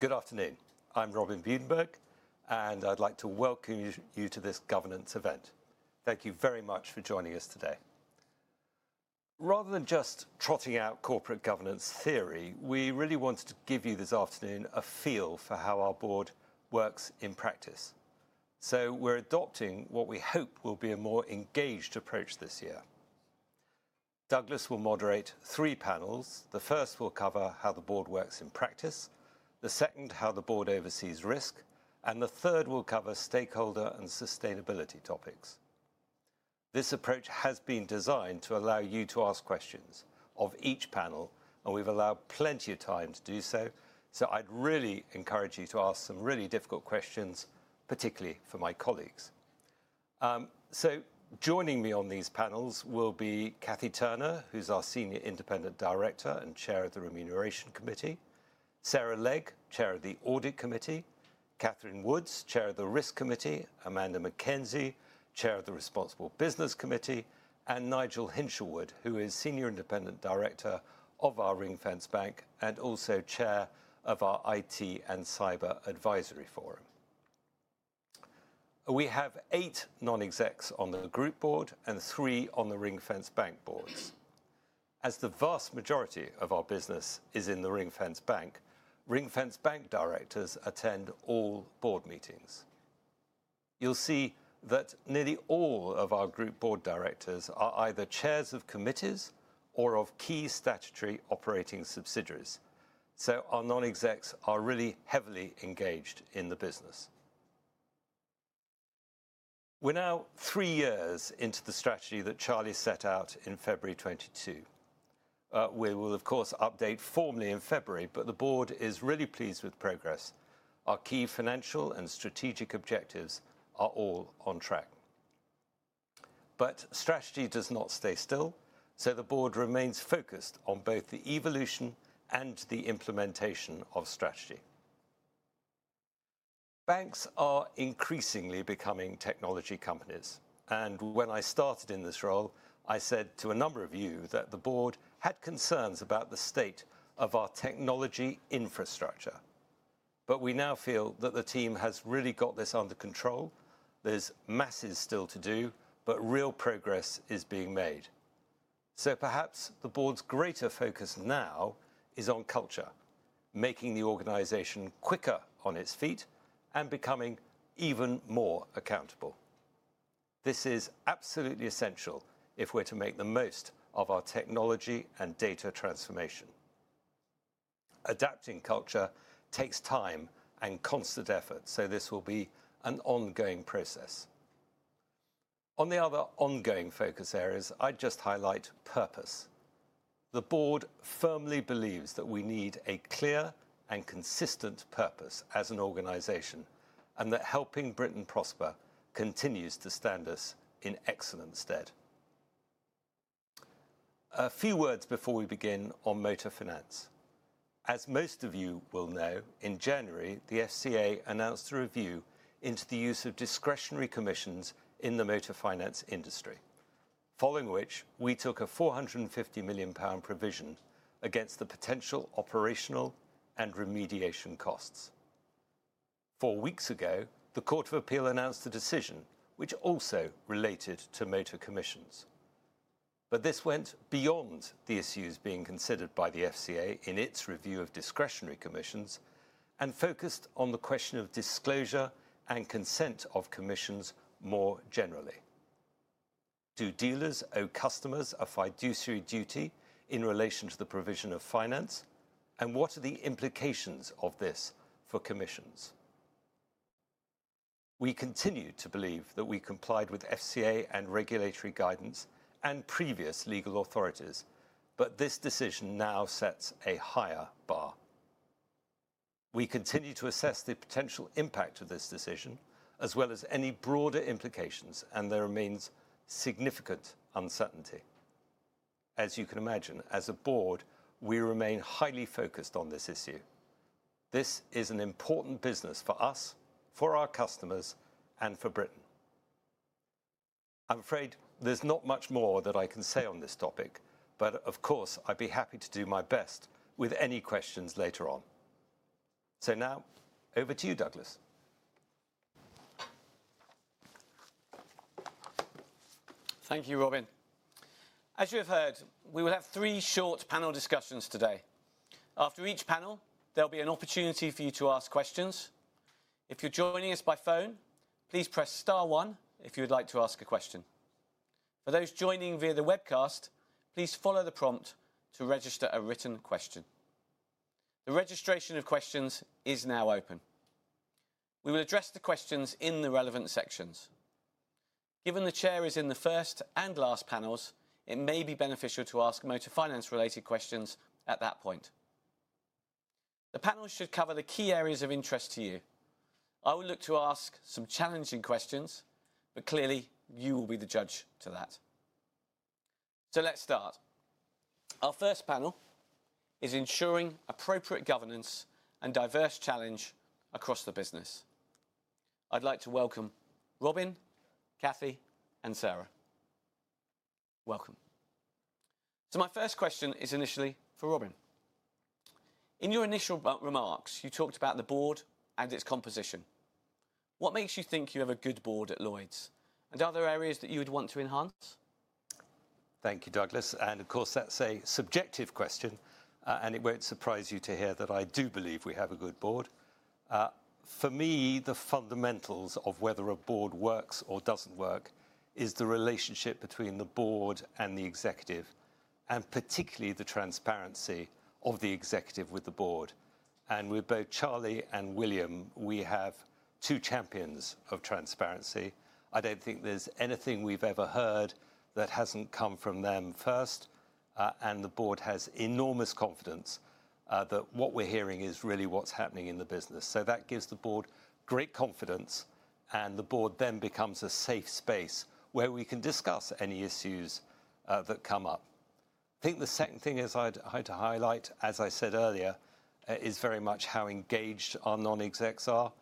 Good afternoon. I'm Robin Budenberg, and I'd like to welcome you to this governance event. Thank you very much for joining us today. Rather than just trotting out corporate governance theory, we really wanted to give you this afternoon a feel for how our board works in practice. So we're adopting what we hope will be a more engaged approach this year. Douglas will moderate three panels. The first will cover how the board works in practice, the second how the board oversees risk, and the third will cover stakeholder and sustainability topics. This approach has been designed to allow you to ask questions of each panel, and we've allowed plenty of time to do so. So I'd really encourage you to ask some really difficult questions, particularly for my colleagues. So joining me on these panels will be Cathy Turner, who's our Senior Independent Director and Chair of the Remuneration Committee, Sarah Legg, Chair of the Audit Committee, Catherine Woods, Chair of the Risk Committee, Amanda Mackenzie, Chair of the Responsible Business Committee, and Nigel Hinshelwood, who is Senior Independent Director of our Ring-Fenced Bank and also Chair of our IT and Cyber Advisory Forum. We have eight non-execs on the Group Board and three on the Ring-Fenced Bank Boards. As the vast majority of our business is in the Ring-Fence Bank, Ring-Fenced Bank directors attend all board meetings. You'll see that nearly all of our Group Board directors are either chairs of committees or of key statutory operating subsidiaries. So our non-execs are really heavily engaged in the business. We're now three years into the strategy that Charlie set out in February 2022. We will, of course, update formally in February, but the board is really pleased with progress. Our key financial and strategic objectives are all on track. But strategy does not stay still, so the board remains focused on both the evolution and the implementation of strategy. Banks are increasingly becoming technology companies. And when I started in this role, I said to a number of you that the board had concerns about the state of our technology infrastructure. But we now feel that the team has really got this under control. There's masses still to do, but real progress is being made. So perhaps the board's greater focus now is on culture, making the organization quicker on its feet and becoming even more accountable. This is absolutely essential if we're to make the most of our technology and data transformation. Adapting culture takes time and constant effort, so this will be an ongoing process. On the other ongoing focus areas, I'd just highlight purpose. The board firmly believes that we need a clear and consistent purpose as an organization and that helping Britain prosper continues to stand us in excellent stead. A few words before we begin on motor finance. As most of you will know, in January, the FCA announced a review into the use of discretionary commissions in the motor finance industry, following which we took a 450 million pound provision against the potential operational and remediation costs. Four weeks ago, the Court of Appeal announced a decision which also related to motor commissions. But this went beyond the issues being considered by the FCA in its review of discretionary commissions and focused on the question of disclosure and consent of commissions more generally. Do dealers owe customers a fiduciary duty in relation to the provision of finance, and what are the implications of this for commissions? We continue to believe that we complied with FCA and regulatory guidance and previous legal authorities, but this decision now sets a higher bar. We continue to assess the potential impact of this decision, as well as any broader implications, and there remains significant uncertainty. As you can imagine, as a board, we remain highly focused on this issue. This is an important business for us, for our customers, and for Britain. I'm afraid there's not much more that I can say on this topic, but of course, I'd be happy to do my best with any questions later on. So now, over to you, Douglas. Thank you, Robin. As you have heard, we will have three short panel discussions today. After each panel, there'll be an opportunity for you to ask questions. If you're joining us by phone, please press star one if you would like to ask a question. For those joining via the webcast, please follow the prompt to register a written question. The registration of questions is now open. We will address the questions in the relevant sections. Given the chair is in the first and last panels, it may be beneficial to ask motor finance-related questions at that point. The panel should cover the key areas of interest to you. I will look to ask some challenging questions, but clearly, you will be the judge to that. So let's start. Our first panel is ensuring appropriate governance and diverse challenge across the business. I'd like to welcome Robin, Cathy, and Sarah. Welcome. So my first question is initially for Robin. In your initial remarks, you talked about the board and its composition. What makes you think you have a good board at Lloyds? And are there areas that you would want to enhance? Thank you, Douglas. And of course, that's a subjective question, and it won't surprise you to hear that I do believe we have a good board. For me, the fundamentals of whether a board works or doesn't work is the relationship between the board and the executive, and particularly the transparency of the executive with the board. And with both Charlie and William, we have two champions of transparency. I don't think there's anything we've ever heard that hasn't come from them first. And the board has enormous confidence that what we're hearing is really what's happening in the business. So that gives the board great confidence, and the board then becomes a safe space where we can discuss any issues that come up. I think the second thing I'd highlight, as I said earlier, is very much how engaged our non-execs are.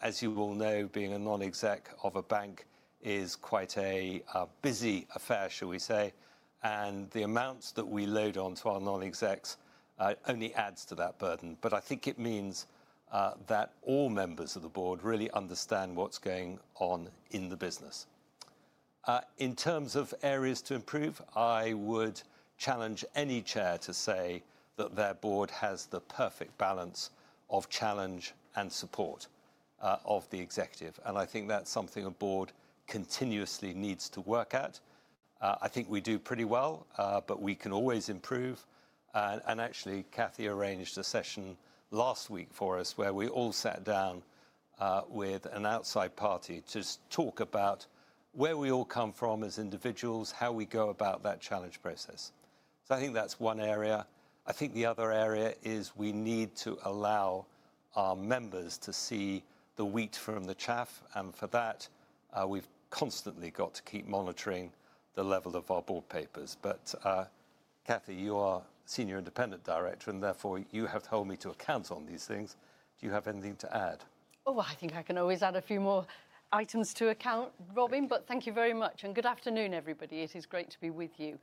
As you will know, being a non-exec of a bank is quite a busy affair, shall we say, and the amounts that we load onto our non-execs only adds to that burden. But I think it means that all members of the board really understand what's going on in the business. In terms of areas to improve, I would challenge any chair to say that their board has the perfect balance of challenge and support of the executive. And I think that's something a board continuously needs to work at. I think we do pretty well, but we can always improve. And actually, Cathy arranged a session last week for us where we all sat down with an outside party to talk about where we all come from as individuals, how we go about that challenge process. So I think that's one area. I think the other area is we need to allow our members to see the wheat from the chaff, and for that, we've constantly got to keep monitoring the level of our board papers, but Cathy, you are Senior Independent Director, and therefore you have to hold me to account on these things. Do you have anything to add? Oh, I think I can always add a few more items to account, Robin, but thank you very much and good afternoon, everybody. It is great to be with you.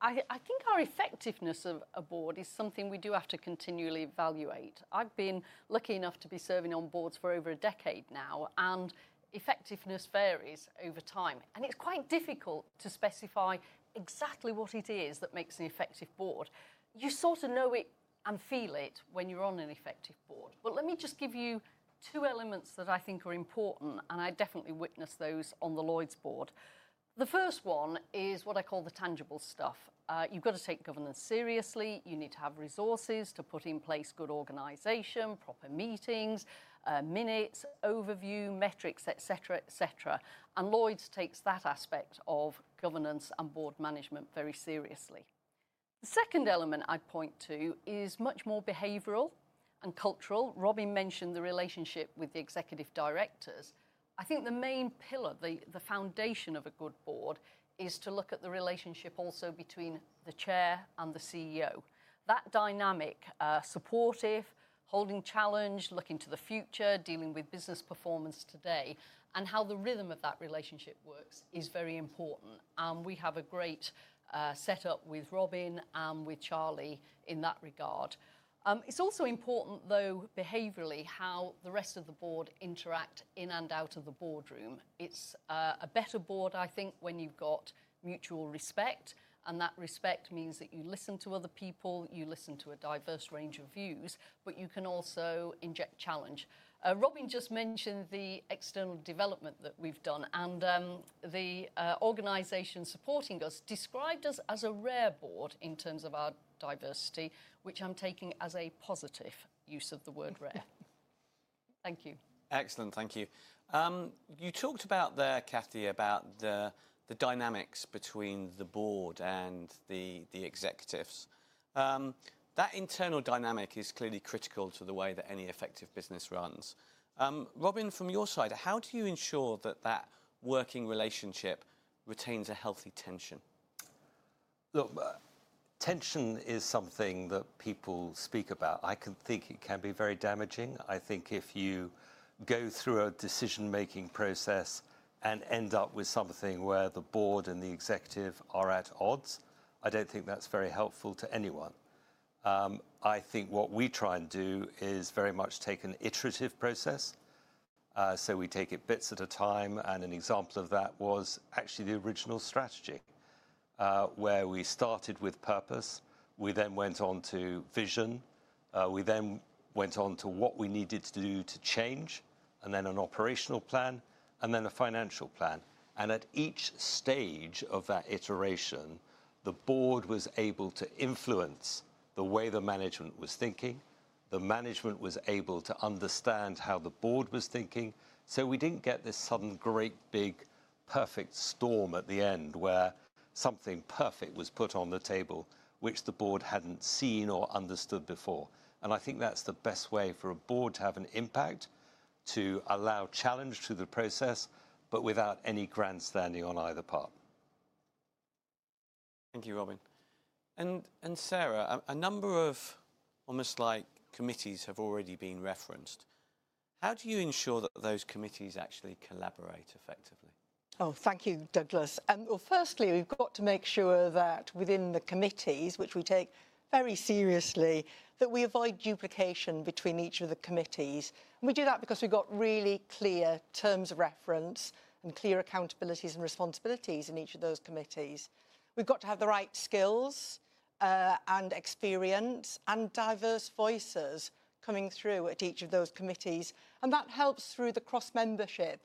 I think our effectiveness of a board is something we do have to continually evaluate. I've been lucky enough to be serving on boards for over a decade now, and effectiveness varies over time. It's quite difficult to specify exactly what it is that makes an effective board. You sort of know it and feel it when you're on an effective board. Let me just give you two elements that I think are important, and I definitely witnessed those on the Lloyds board. The first one is what I call the tangible stuff. You've got to take governance seriously. You need to have resources to put in place good organization, proper meetings, minutes, overview, metrics, et cetera, et cetera. And Lloyds takes that aspect of governance and board management very seriously. The second element I'd point to is much more behavioral and cultural. Robin mentioned the relationship with the executive directors. I think the main pillar, the foundation of a good board, is to look at the relationship also between the chair and the CEO. That dynamic, supportive, holding challenge, looking to the future, dealing with business performance today, and how the rhythm of that relationship works is very important. And we have a great setup with Robin and with Charlie in that regard. It's also important, though, behaviorally, how the rest of the board interact in and out of the boardroom. It's a better board, I think, when you've got mutual respect, and that respect means that you listen to other people, you listen to a diverse range of views, but you can also inject challenge. Robin just mentioned the external development that we've done and the organization supporting us described us as a rare board in terms of our diversity, which I'm taking as a positive use of the word rare. Thank you. Excellent. Thank you. You talked about there, Cathy, about the dynamics between the board and the executives. That internal dynamic is clearly critical to the way that any effective business runs. Robin, from your side, how do you ensure that that working relationship retains a healthy tension? Look, tension is something that people speak about. I can think it can be very damaging. I think if you go through a decision-making process and end up with something where the board and the executive are at odds, I don't think that's very helpful to anyone. I think what we try and do is very much take an iterative process, so we take it bits at a time, and an example of that was actually the original strategy, where we started with purpose. We then went on to vision. We then went on to what we needed to do to change, and then an operational plan, and then a financial plan, and at each stage of that iteration, the board was able to influence the way the management was thinking. The management was able to understand how the board was thinking. So we didn't get this sudden great big perfect storm at the end where something perfect was put on the table, which the board hadn't seen or understood before. And I think that's the best way for a board to have an impact, to allow challenge to the process, but without any grandstanding on either part. Thank you, Robin. And Sarah, a number of almost like committees have already been referenced. How do you ensure that those committees actually collaborate effectively? Oh, thank you, Douglas. Well, firstly, we've got to make sure that within the committees, which we take very seriously, that we avoid duplication between each of the committees. And we do that because we've got really clear terms of reference and clear accountabilities and responsibilities in each of those committees. We've got to have the right skills and experience and diverse voices coming through at each of those committees. And that helps through the cross-membership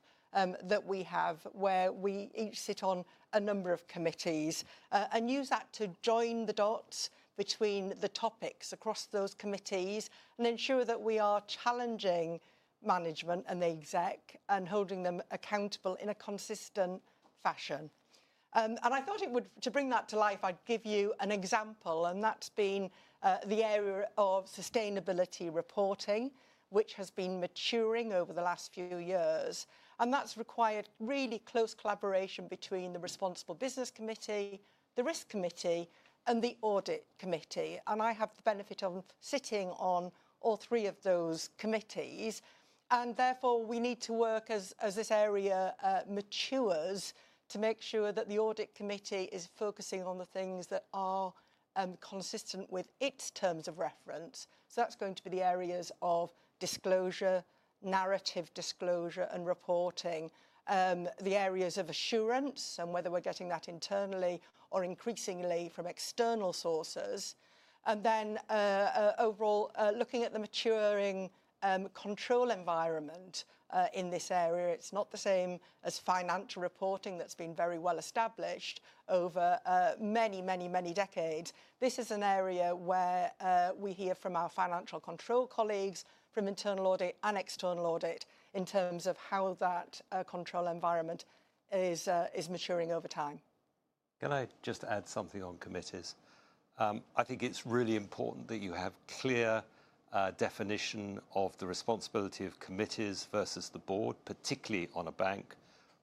that we have, where we each sit on a number of committees and use that to join the dots between the topics across those committees and ensure that we are challenging management and the exec and holding them accountable in a consistent fashion. And I thought it would, to bring that to life, I'd give you an example, and that's been the area of sustainability reporting, which has been maturing over the last few years. And that's required really close collaboration between the Responsible Business Committee, the Risk Committee, and the Audit Committee. And I have the benefit of sitting on all three of those committees. And therefore, we need to work as this area matures to make sure that the Audit Committee is focusing on the things that are consistent with its terms of reference. So that's going to be the areas of disclosure, narrative disclosure, and reporting, the areas of assurance and whether we're getting that internally or increasingly from external sources. And then overall, looking at the maturing control environment in this area, it's not the same as financial reporting that's been very well established over many, many, many decades. This is an area where we hear from our financial control colleagues, from internal audit and external audit, in terms of how that control environment is maturing over time. Can I just add something on committees? I think it's really important that you have a clear definition of the responsibility of committees versus the board, particularly on a bank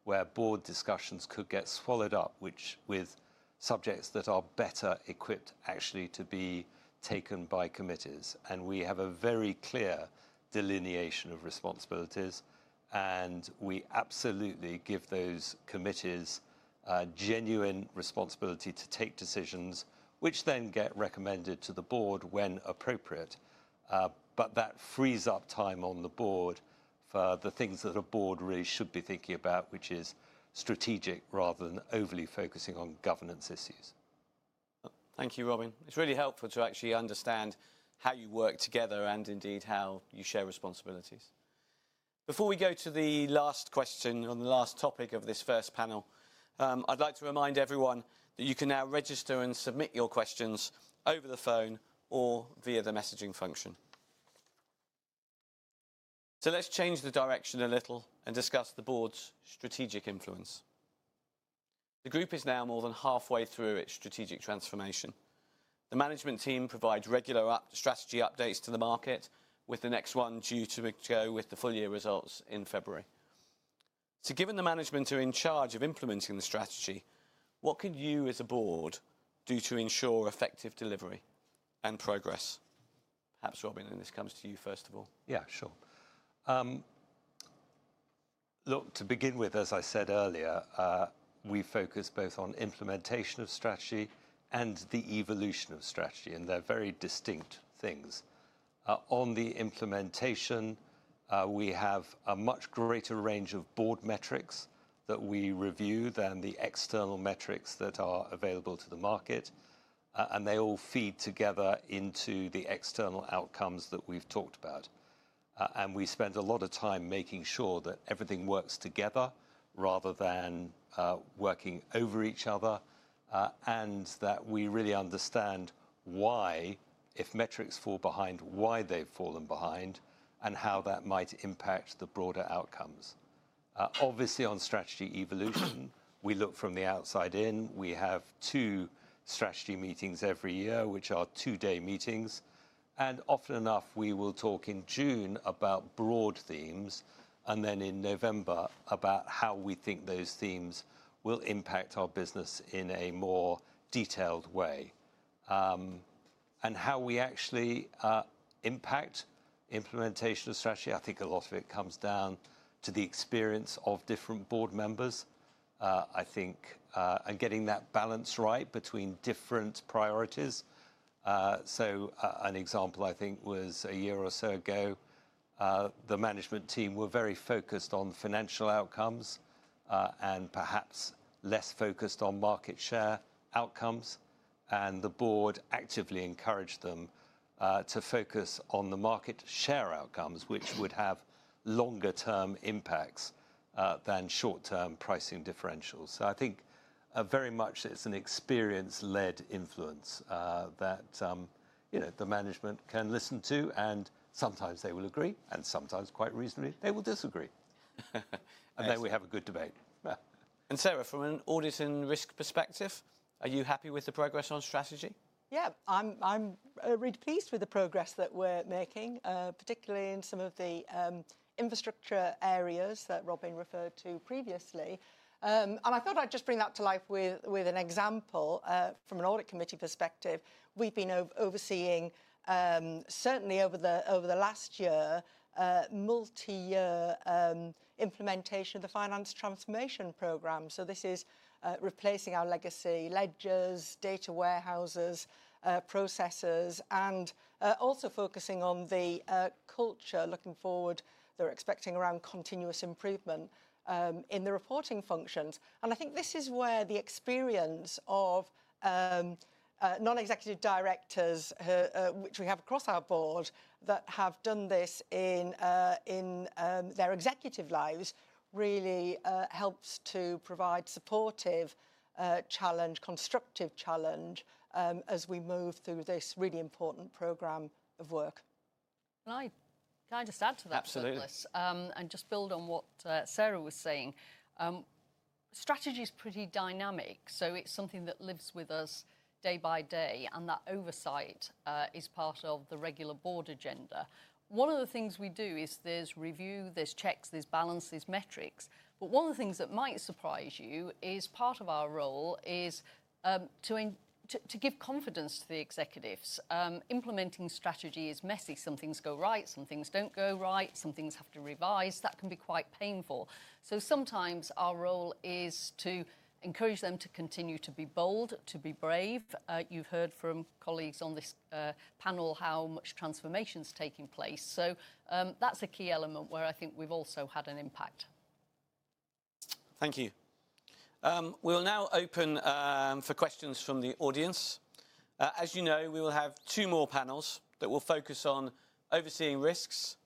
where board discussions could get swallowed up with subjects that are better equipped actually to be taken by committees. And we have a very clear delineation of responsibilities, and we absolutely give those committees genuine responsibility to take decisions, which then get recommended to the board when appropriate. But that frees up time on the board for the things that a board really should be thinking about, which is strategic rather than overly focusing on governance issues. Thank you, Robin. It's really helpful to actually understand how you work together and indeed how you share responsibilities. Before we go to the last question on the last topic of this first panel, I'd like to remind everyone that you can now register and submit your questions over the phone or via the messaging function. So let's change the direction a little and discuss the board's strategic influence. The group is now more than halfway through its strategic transformation. The management team provides regular strategy updates to the market, with the next one due to go with the full year results in February. So given the management are in charge of implementing the strategy, what can you as a board do to ensure effective delivery and progress? Perhaps, Robin, this comes to you first of all. Yeah, sure. Look, to begin with, as I said earlier, we focus both on implementation of strategy and the evolution of strategy, and they're very distinct things. On the implementation, we have a much greater range of board metrics that we review than the external metrics that are available to the market, and they all feed together into the external outcomes that we've talked about. And we spend a lot of time making sure that everything works together rather than working over each other, and that we really understand why, if metrics fall behind, why they've fallen behind, and how that might impact the broader outcomes. Obviously, on strategy evolution, we look from the outside in. We have two strategy meetings every year, which are two-day meetings. Often enough, we will talk in June about broad themes, and then in November about how we think those themes will impact our business in a more detailed way. How we actually impact implementation of strategy, I think a lot of it comes down to the experience of different board members, I think, and getting that balance right between different priorities. An example, I think, was a year or so ago, the management team were very focused on financial outcomes and perhaps less focused on market share outcomes, and the board actively encouraged them to focus on the market share outcomes, which would have longer-term impacts than short-term pricing differentials. I think very much it's an experience-led influence that the management can listen to, and sometimes they will agree, and sometimes quite reasonably they will disagree. Then we have a good debate. Sarah, from an audit and risk perspective, are you happy with the progress on strategy? Yeah, I'm really pleased with the progress that we're making, particularly in some of the infrastructure areas that Robin referred to previously. And I thought I'd just bring that to life with an example from an Audit Committee perspective. We've been overseeing, certainly over the last year, multi-year implementation of the finance transformation program. So this is replacing our legacy ledgers, data warehouses, processes, and also focusing on the culture looking forward that we're expecting around continuous improvement in the reporting functions. And I think this is where the experience of non-executive directors, which we have across our board that have done this in their executive lives, really helps to provide supportive challenge, constructive challenge as we move through this really important program of work. And I'd kind of add to that, Douglas, and just build on what Sarah was saying. Strategy is pretty dynamic, so it's something that lives with us day by day, and that oversight is part of the regular board agenda. One of the things we do is there's review, there's checks, there's balance, there's metrics. But one of the things that might surprise you is part of our role is to give confidence to the executives. Implementing strategy is messy. Some things go right, some things don't go right, some things have to revise. That can be quite painful. So sometimes our role is to encourage them to continue to be bold, to be brave. You've heard from colleagues on this panel how much transformation is taking place. So that's a key element where I think we've also had an impact. Thank you. We will now open for questions from the audience. As you know, we will have two more panels that will focus on overseeing risks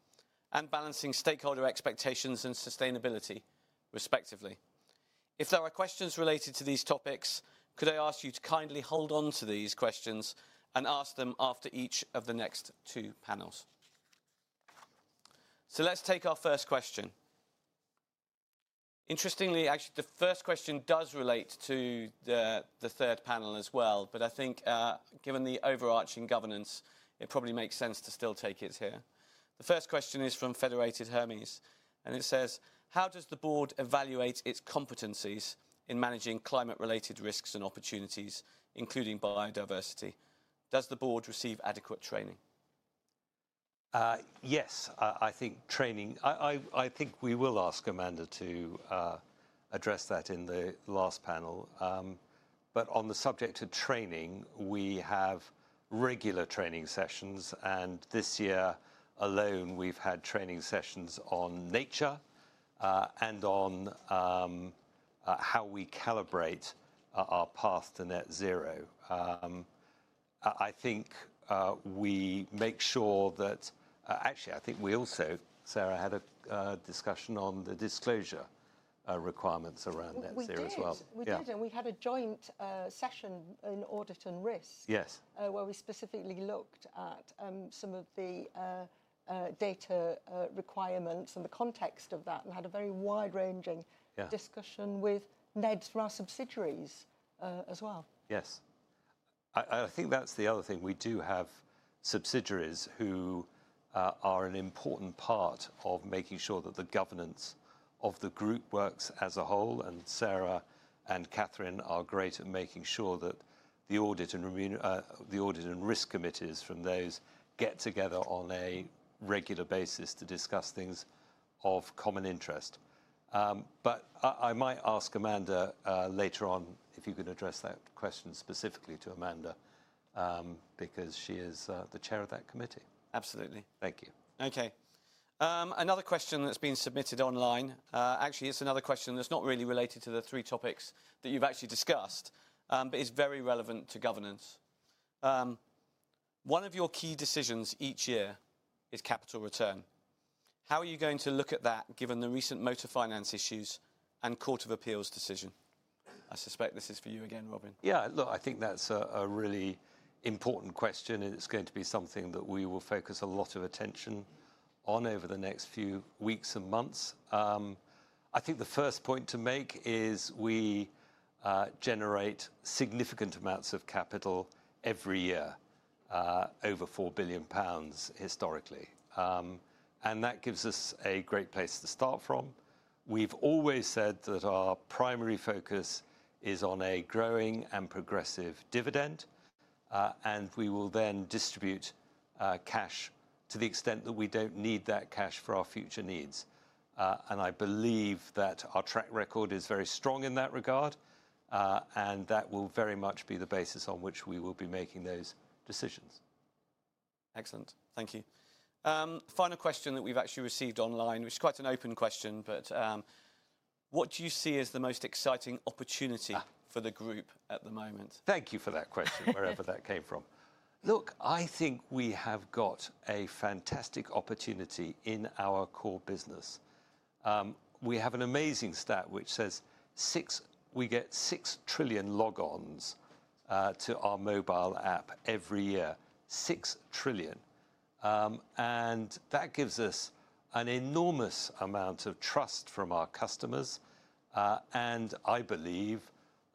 and balancing stakeholder expectations and sustainability, respectively. If there are questions related to these topics, could I ask you to kindly hold on to these questions and ask them after each of the next two panels? So let's take our first question. Interestingly, actually, the first question does relate to the third panel as well, but I think given the overarching governance, it probably makes sense to still take it here. The first question is from Federated Hermes, and it says, "How does the board evaluate its competencies in managing climate-related risks and opportunities, including biodiversity? Does the board receive adequate training? Yes, I think training. I think we will ask Amanda to address that in the last panel. But on the subject of training, we have regular training sessions, and this year alone, we've had training sessions on nature and on how we calibrate our path to net zero. I think we make sure that actually, I think we also, Sarah, had a discussion on the disclosure requirements around net zero as well. We did, and we had a joint session in Audit and Risk where we specifically looked at some of the data requirements and the context of that and had a very wide-ranging discussion with NEDs for our subsidiaries as well. Yes. I think that's the other thing. We do have subsidiaries who are an important part of making sure that the governance of the group works as a whole, and Sarah and Catherine are great at making sure that the audit and risk committees from those get together on a regular basis to discuss things of common interest. But I might ask Amanda later on if you can address that question specifically to Amanda, because she is the chair of that committee. Absolutely. Thank you. Okay. Another question that's been submitted online. Actually, it's another question that's not really related to the three topics that you've actually discussed, but it's very relevant to governance. One of your key decisions each year is capital return. How are you going to look at that given the recent motor finance issues and Court of Appeal decision? I suspect this is for you again, Robin. Yeah, look, I think that's a really important question, and it's going to be something that we will focus a lot of attention on over the next few weeks and months. I think the first point to make is we generate significant amounts of capital every year, over 4 billion pounds historically. And that gives us a great place to start from. We've always said that our primary focus is on a growing and progressive dividend, and we will then distribute cash to the extent that we don't need that cash for our future needs. And I believe that our track record is very strong in that regard, and that will very much be the basis on which we will be making those decisions. Excellent. Thank you. Final question that we've actually received online, which is quite an open question, but what do you see as the most exciting opportunity for the group at the moment? Thank you for that question, wherever that came from. Look, I think we have got a fantastic opportunity in our core business. We have an amazing stat, which says we get six trillion logons to our mobile app every year, six trillion. And that gives us an enormous amount of trust from our customers. And I believe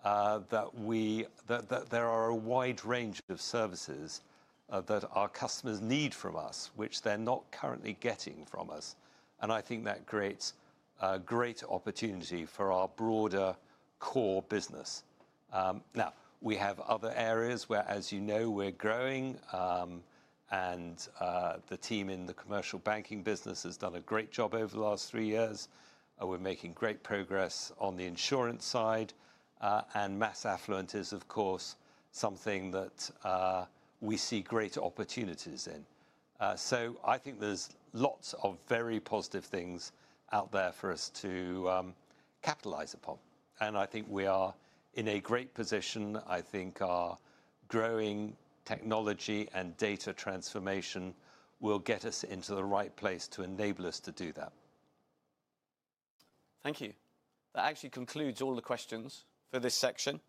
that there are a wide range of services that our customers need from us, which they're not currently getting from us. And I think that creates a great opportunity for our broader core business. Now, we have other areas where, as you know, we're growing, and the team in the commercial banking business has done a great job over the last three years. We're making great progress on the insurance side, and mass affluent is, of course, something that we see great opportunities in. So I think there's lots of very positive things out there for us to capitalize upon. And I think we are in a great position. I think our growing technology and data transformation will get us into the right place to enable us to do that. Thank you. That actually concludes all the questions for this section,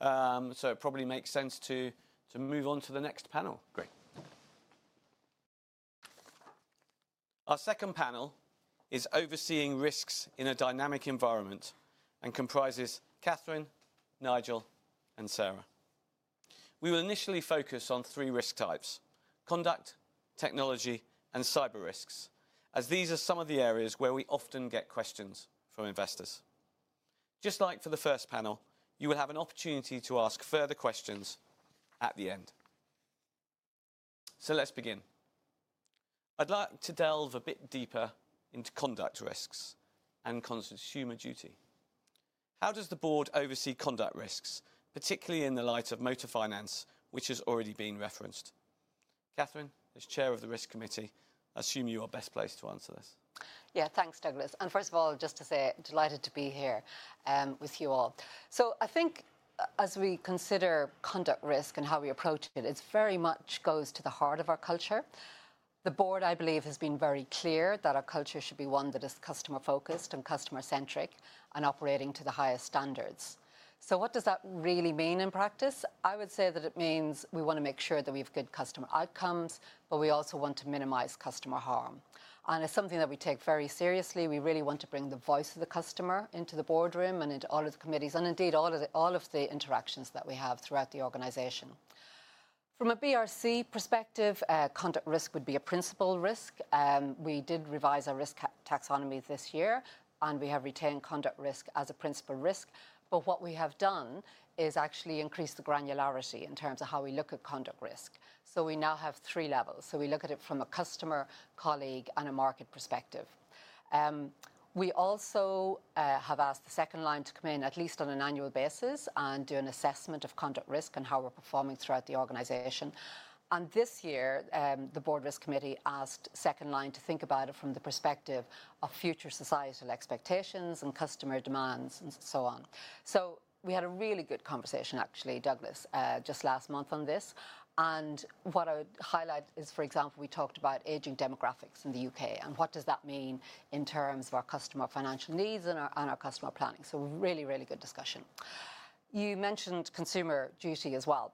so it probably makes sense to move on to the next panel. Great. Our second panel is overseeing risks in a dynamic environment and comprises Catherine, Nigel, and Sarah. We will initially focus on three risk types: conduct, technology, and cyber risks, as these are some of the areas where we often get questions from investors. Just like for the first panel, you will have an opportunity to ask further questions at the end. So let's begin. I'd like to delve a bit deeper into conduct risks and Consumer Duty. How does the board oversee conduct risks, particularly in the light of motor finance, which has already been referenced? Catherine, as Chair of the Risk Committee, I assume you are best placed to answer this. Yeah, thanks, Douglas. And first of all, just to say, delighted to be here with you all. So I think as we consider conduct risk and how we approach it, it very much goes to the heart of our culture. The board, I believe, has been very clear that our culture should be one that is customer-focused and customer-centric and operating to the highest standards. So what does that really mean in practice? I would say that it means we want to make sure that we have good customer outcomes, but we also want to minimize customer harm. And it's something that we take very seriously. We really want to bring the voice of the customer into the boardroom and into all of the committees and indeed all of the interactions that we have throughout the organization. From a BRC perspective, conduct risk would be a principal risk. We did revise our risk taxonomy this year, and we have retained conduct risk as a principal risk, but what we have done is actually increased the granularity in terms of how we look at conduct risk, so we now have three levels, so we look at it from a customer, colleague, and a market perspective. We also have asked the second line to come in at least on an annual basis and do an assessment of conduct risk and how we're performing throughout the organization, and this year, the Board Risk Committee asked second line to think about it from the perspective of future societal expectations and customer demands and so on, so we had a really good conversation, actually, Douglas, just last month on this. What I would highlight is, for example, we talked about aging demographics in the UK and what does that mean in terms of our customer financial needs and our customer planning. Really, really good discussion. You mentioned Consumer Duty as well.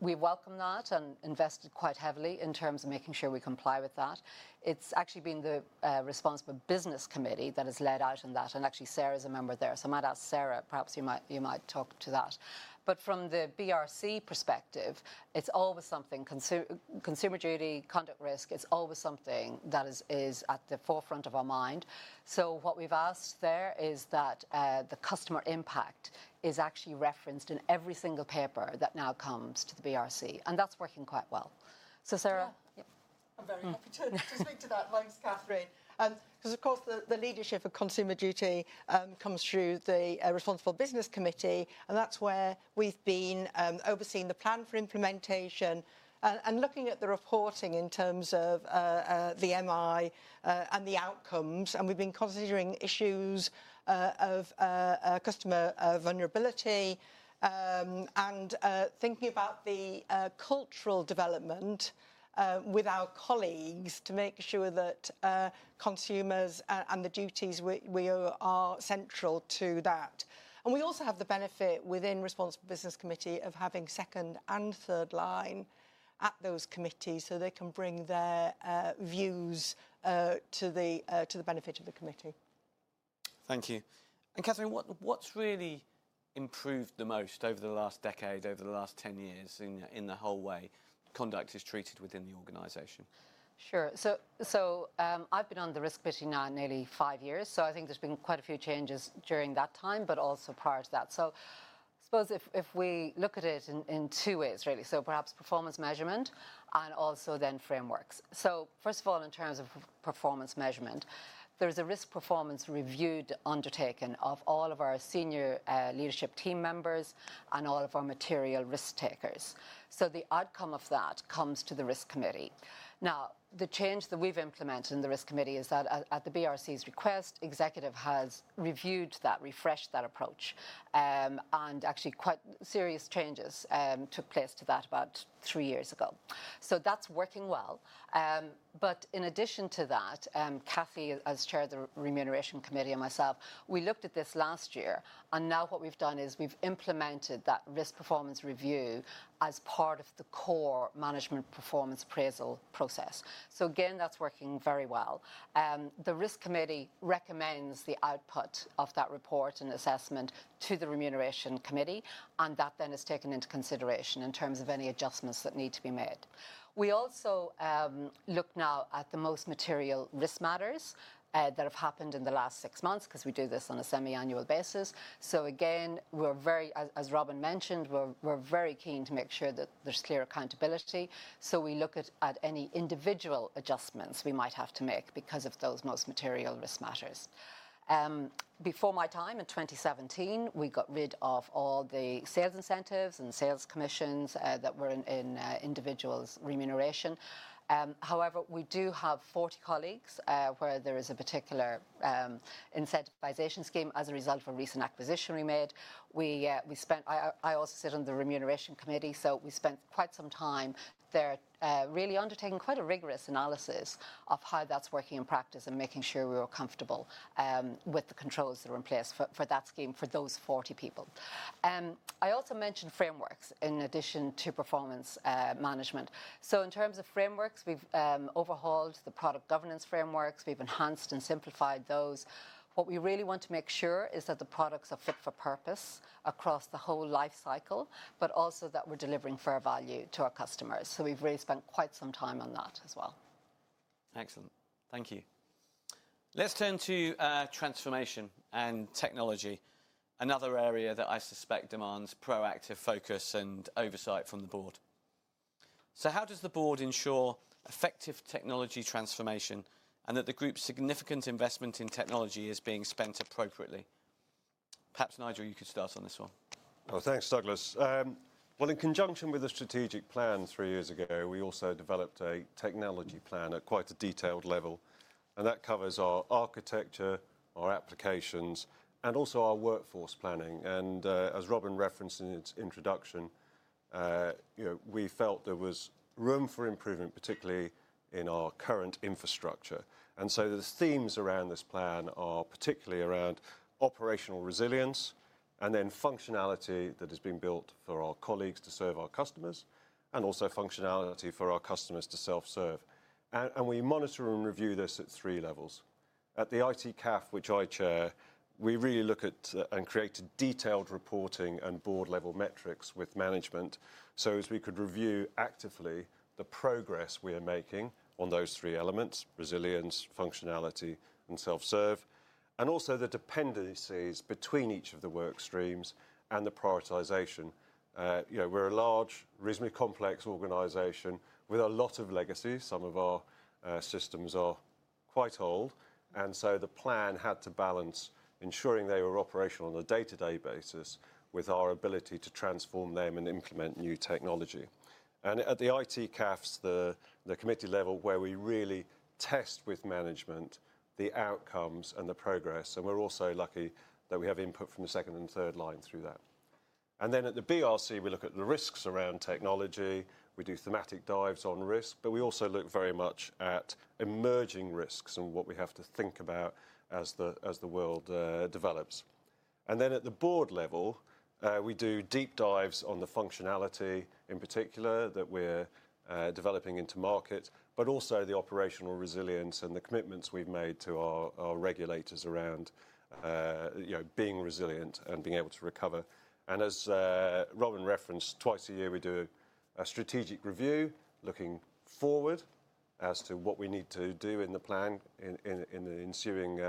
We welcome that and invested quite heavily in terms of making sure we comply with that. It's actually been the Responsible Business Committee that has led out on that. Actually, Sarah is a member there, so I might ask Sarah, perhaps you might talk to that. From the BRC perspective, it's always something Consumer Duty, Conduct risk, it's always something that is at the forefront of our mind. What we've asked there is that the customer impact is actually referenced in every single paper that now comes to the BRC, and that's working quite well. Sarah. I'm very happy to speak to that. Thanks, Catherine. Because, of course, the leadership of Consumer Duty comes through the Responsible Business Committee, and that's where we've been overseeing the plan for implementation and looking at the reporting in terms of the MI and the outcomes. And we've been considering issues of customer vulnerability and thinking about the cultural development with our colleagues to make sure that consumers and the duties are central to that. And we also have the benefit within Responsible Business Committee of having second and third line at those committees so they can bring their views to the benefit of the committee. Thank you. And Catherine, what's really improved the most over the last decade, over the last 10 years in the whole way conduct is treated within the organization? Sure. So I've been on the Risk Committee now nearly five years, so I think there's been quite a few changes during that time, but also prior to that. So I suppose if we look at it in two ways, really. So perhaps performance measurement and also then frameworks. So first of all, in terms of performance measurement, there is a risk performance review undertaken of all of our senior leadership team members and all of our material risk takers. So the outcome of that comes to the Risk Committee. Now, the change that we've implemented in the Risk Committee is that at the BRC's request, executive has reviewed that, refreshed that approach, and actually quite serious changes took place to that about three years ago. So that's working well. But in addition to that, Cathy as Chair of the Remuneration Committee and myself, we looked at this last year, and now what we've done is we've implemented that risk performance review as part of the core management performance appraisal process. So again, that's working very well. The Risk Committee recommends the output of that report and assessment to the Remuneration Committee, and that then is taken into consideration in terms of any adjustments that need to be made. We also look now at the most material risk matters that have happened in the last six months because we do this on a semi-annual basis. So again, as Robin mentioned, we're very keen to make sure that there's clear accountability. So we look at any individual adjustments we might have to make because of those most material risk matters. Before my time in 2017, we got rid of all the sales incentives and sales commissions that were in individuals' remuneration. However, we do have 40 colleagues where there is a particular incentivization scheme as a result of a recent acquisition we made. I also sit on the remuneration committee, so we spent quite some time there really undertaking quite a rigorous analysis of how that's working in practice and making sure we were comfortable with the controls that are in place for that scheme for those 40 people. I also mentioned frameworks in addition to performance management. So in terms of frameworks, we've overhauled the product governance frameworks. We've enhanced and simplified those. What we really want to make sure is that the products are fit for purpose across the whole life cycle, but also that we're delivering fair value to our customers. So we've really spent quite some time on that as well. Excellent. Thank you. Let's turn to transformation and technology, another area that I suspect demands proactive focus and oversight from the board. So how does the board ensure effective technology transformation and that the group's significant investment in technology is being spent appropriately? Perhaps Nigel, you could start on this one. Thanks, Douglas. In conjunction with the strategic plan three years ago, we also developed a technology plan at quite a detailed level, and that covers our architecture, our applications, and also our workforce planning. As Robin referenced in its introduction, we felt there was room for improvement, particularly in our current infrastructure. The themes around this plan are particularly around operational resilience and then functionality that has been built for our colleagues to serve our customers and also functionality for our customers to self-serve. We monitor and review this at three levels. At the ITCAF, which I chair, we really look at and create detailed reporting and board-level metrics with management so as we could review actively the progress we are making on those three elements: resilience, functionality, and self-serve, and also the dependencies between each of the work streams and the prioritization. We're a large, reasonably complex organization with a lot of legacy. Some of our systems are quite old, and so the plan had to balance ensuring they were operational on a day-to-day basis with our ability to transform them and implement new technology, and at the ITCAF, the committee level where we really test with management the outcomes and the progress, and we're also lucky that we have input from the second and third line through that, and then at the BRC, we look at the risks around technology. We do thematic dives on risk, but we also look very much at emerging risks and what we have to think about as the world develops. Then at the board level, we do deep dives on the functionality in particular that we're developing into market, but also the operational resilience and the commitments we've made to our regulators around being resilient and being able to recover. As Robin referenced, twice a year we do a strategic review looking forward as to what we need to do in the plan in the ensuing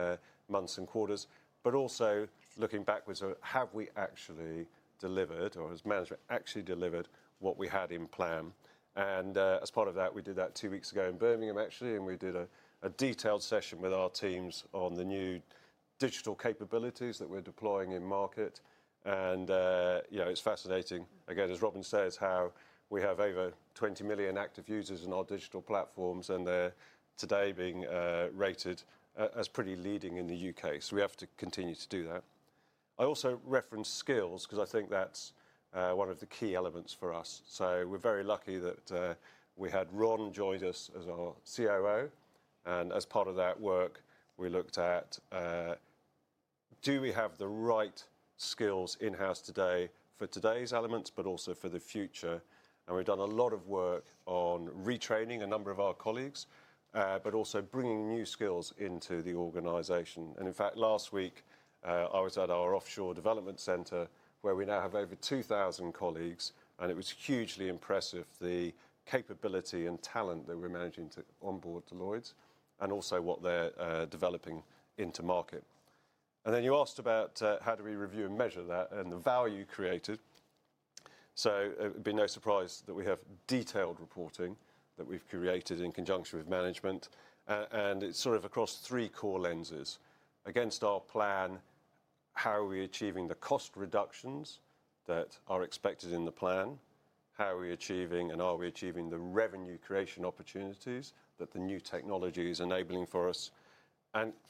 months and quarters, but also looking backwards at have we actually delivered or has management actually delivered what we had in plan. As part of that, we did that two weeks ago in Birmingham, actually, and we did a detailed session with our teams on the new digital capabilities that we're deploying in market. It's fascinating, again, as Robin says, how we have over 20 million active users in our digital platforms and they're today being rated as pretty leading in the UK. We have to continue to do that. I also referenced skills because I think that's one of the key elements for us. We're very lucky that we had Ron join us as our COO. As part of that work, we looked at do we have the right skills in-house today for today's elements, but also for the future. We've done a lot of work on retraining a number of our colleagues, but also bringing new skills into the organization. In fact, last week, I was at our offshore development center where we now have over 2,000 colleagues, and it was hugely impressive, the capability and talent that we're managing to onboard to Lloyds and also what they're developing into market. And then you asked about how do we review and measure that and the value created. So it would be no surprise that we have detailed reporting that we've created in conjunction with management, and it's sort of across three core lenses. Against our plan, how are we achieving the cost reductions that are expected in the plan? How are we achieving and are we achieving the revenue creation opportunities that the new technology is enabling for us?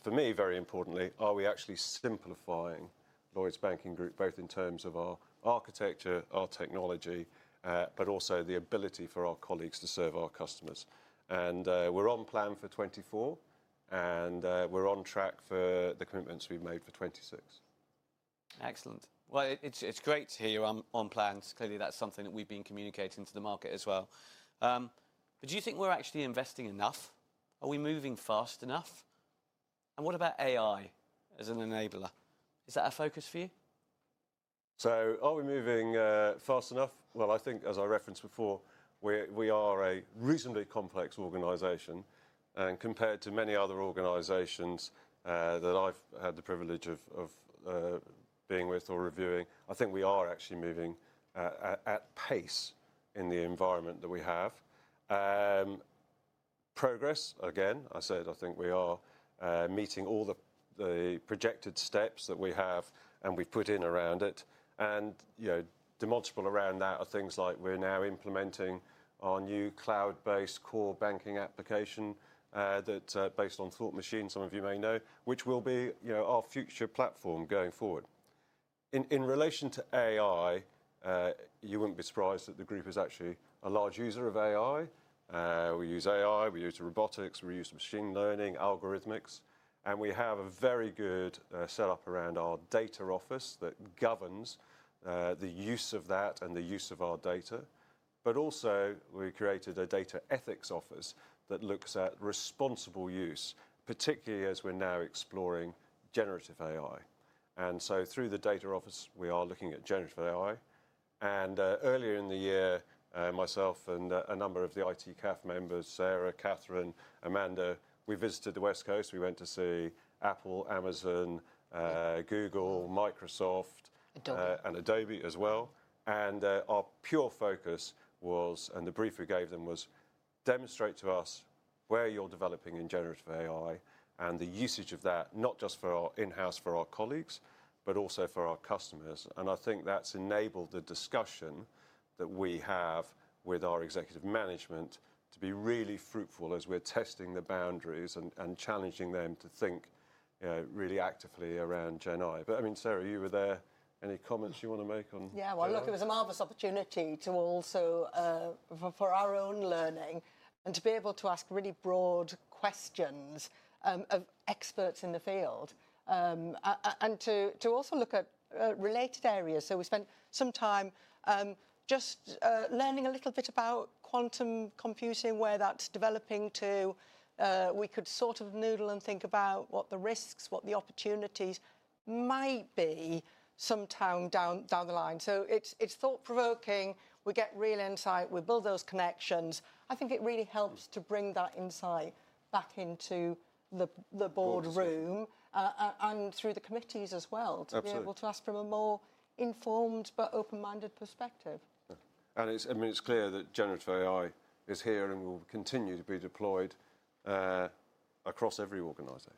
For me, very importantly, are we actually simplifying Lloyds Banking Group both in terms of our architecture, our technology, but also the ability for our colleagues to serve our customers? We're on plan for 2024, and we're on track for the commitments we've made for 2026. Excellent. Well, it's great to hear you're on plan. Clearly, that's something that we've been communicating to the market as well. But do you think we're actually investing enough? Are we moving fast enough? And what about AI as an enabler? Is that a focus for you? So are we moving fast enough? Well, I think as I referenced before, we are a reasonably complex organization. And compared to many other organizations that I've had the privilege of being with or reviewing, I think we are actually moving at pace in the environment that we have. Progress, again, I said I think we are meeting all the projected steps that we have and we've put in around it. And demonstrable around that are things like we're now implementing our new cloud-based core banking application that's based on Thought Machine, some of you may know, which will be our future platform going forward. In relation to AI, you wouldn't be surprised that the group is actually a large user of AI. We use AI, we use robotics, we use machine learning, algorithmics, and we have a very good setup around our data office that governs the use of that and the use of our data. But also, we created a data ethics office that looks at responsible use, particularly as we're now exploring generative AI. And so through the data office, we are looking at generative AI. And earlier in the year, myself and a number of the ITCAF members, Sarah, Catherine, Amanda, we visited the West Coast. We went to see Apple, Amazon, Google, Microsoft. And Adobe as well. And our pure focus was, and the brief we gave them was, demonstrate to us where you're developing in generative AI and the usage of that, not just for our in-house for our colleagues, but also for our customers. And I think that's enabled the discussion that we have with our executive management to be really fruitful as we're testing the boundaries and challenging them to think really actively around Gen AI. But I mean, Sarah, you were there. Any comments you want to make on that? Yeah, well, look, it was a marvelous opportunity to also for our own learning and to be able to ask really broad questions of experts in the field and to also look at related areas. So we spent some time just learning a little bit about quantum computing, where that's developing to. We could sort of noodle and think about what the risks, what the opportunities might be sometime down the line. So it's thought-provoking. We get real insight. We build those connections. I think it really helps to bring that insight back into the board room and through the committees as well to be able to ask from a more informed but open-minded perspective. I mean, it's clear that generative AI is here and will continue to be deployed across every organization.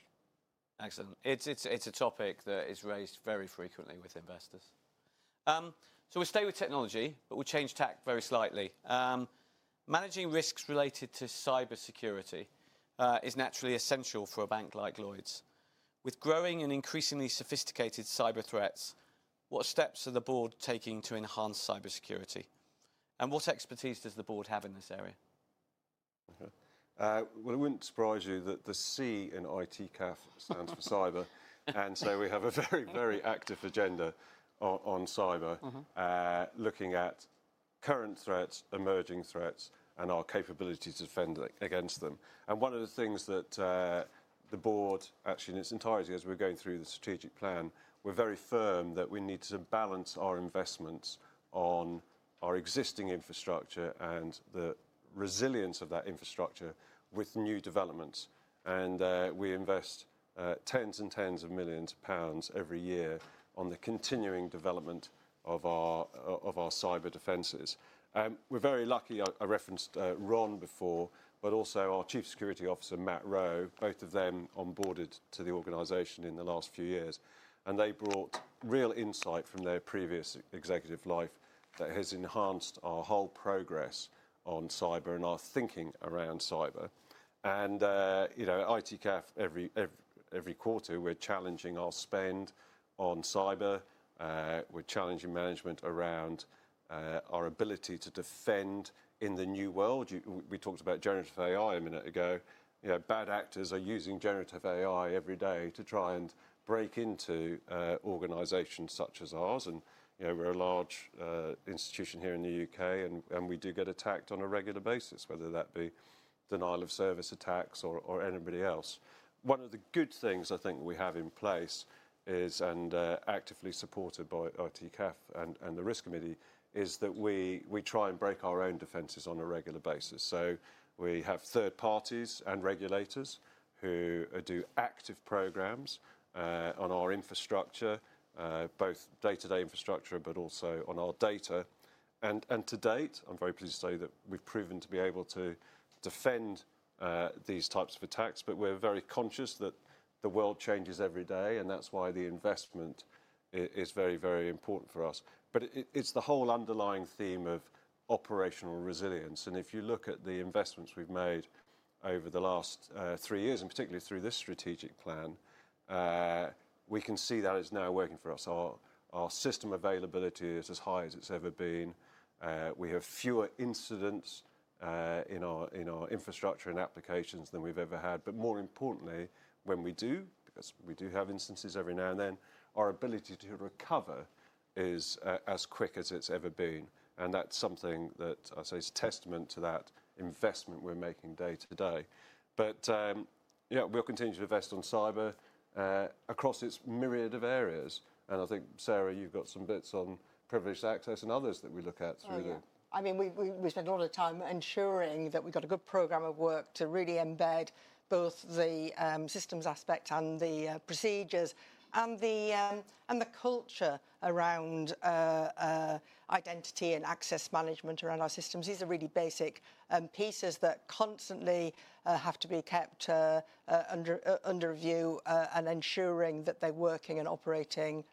Excellent. It's a topic that is raised very frequently with investors. We stay with technology, but we change tack very slightly. Managing risks related to cybersecurity is naturally essential for a bank like Lloyds. With growing and increasingly sophisticated cyber threats, what steps are the board taking to enhance cybersecurity? What expertise does the board have in this area? It wouldn't surprise you that the C in ITCAF stands for cyber. And so we have a very, very active agenda on cyber, looking at current threats, emerging threats, and our capability to defend against them. And one of the things that the board actually in its entirety, as we're going through the strategic plan, we're very firm that we need to balance our investments on our existing infrastructure and the resilience of that infrastructure with new developments. And we invest tens and tens of millions of pounds every year on the continuing development of our cyber defenses. We're very lucky. I referenced Ron before, but also our Chief Security Officer, Matt Rowe, both of them onboarded to the organization in the last few years. And they brought real insight from their previous executive life that has enhanced our whole progress on cyber and our thinking around cyber. At ITCAF, every quarter, we're challenging our spend on cyber. We're challenging management around our ability to defend in the new world. We talked about generative AI a minute ago. Bad actors are using generative AI every day to try and break into organizations such as ours. We're a large institution here in the U.K., and we do get attacked on a regular basis, whether that be denial of service attacks or anybody else. One of the good things I think we have in place, and actively supported by ITCAF and the Risk Committee, is that we try and break our own defenses on a regular basis. So we have third parties and regulators who do active programs on our infrastructure, both day-to-day infrastructure, but also on our data. And to date, I'm very pleased to say that we've proven to be able to defend these types of attacks, but we're very conscious that the world changes every day, and that's why the investment is very, very important for us. But it's the whole underlying theme of operational resilience. And if you look at the investments we've made over the last three years, and particularly through this strategic plan, we can see that it's now working for us. Our system availability is as high as it's ever been. We have fewer incidents in our infrastructure and applications than we've ever had. But more importantly, when we do, because we do have instances every now and then, our ability to recover is as quick as it's ever been. And that's something that I say is a testament to that investment we're making day to day. But yeah, we'll continue to invest in cyber across its myriad of areas. And I think, Sarah, you've got some bits on privileged access and others that we look at through the. I mean, we spent a lot of time ensuring that we've got a good program of work to really embed both the systems aspect and the procedures and the culture around identity and access management around our systems. These are really basic pieces that constantly have to be kept under review and ensuring that they're working and operating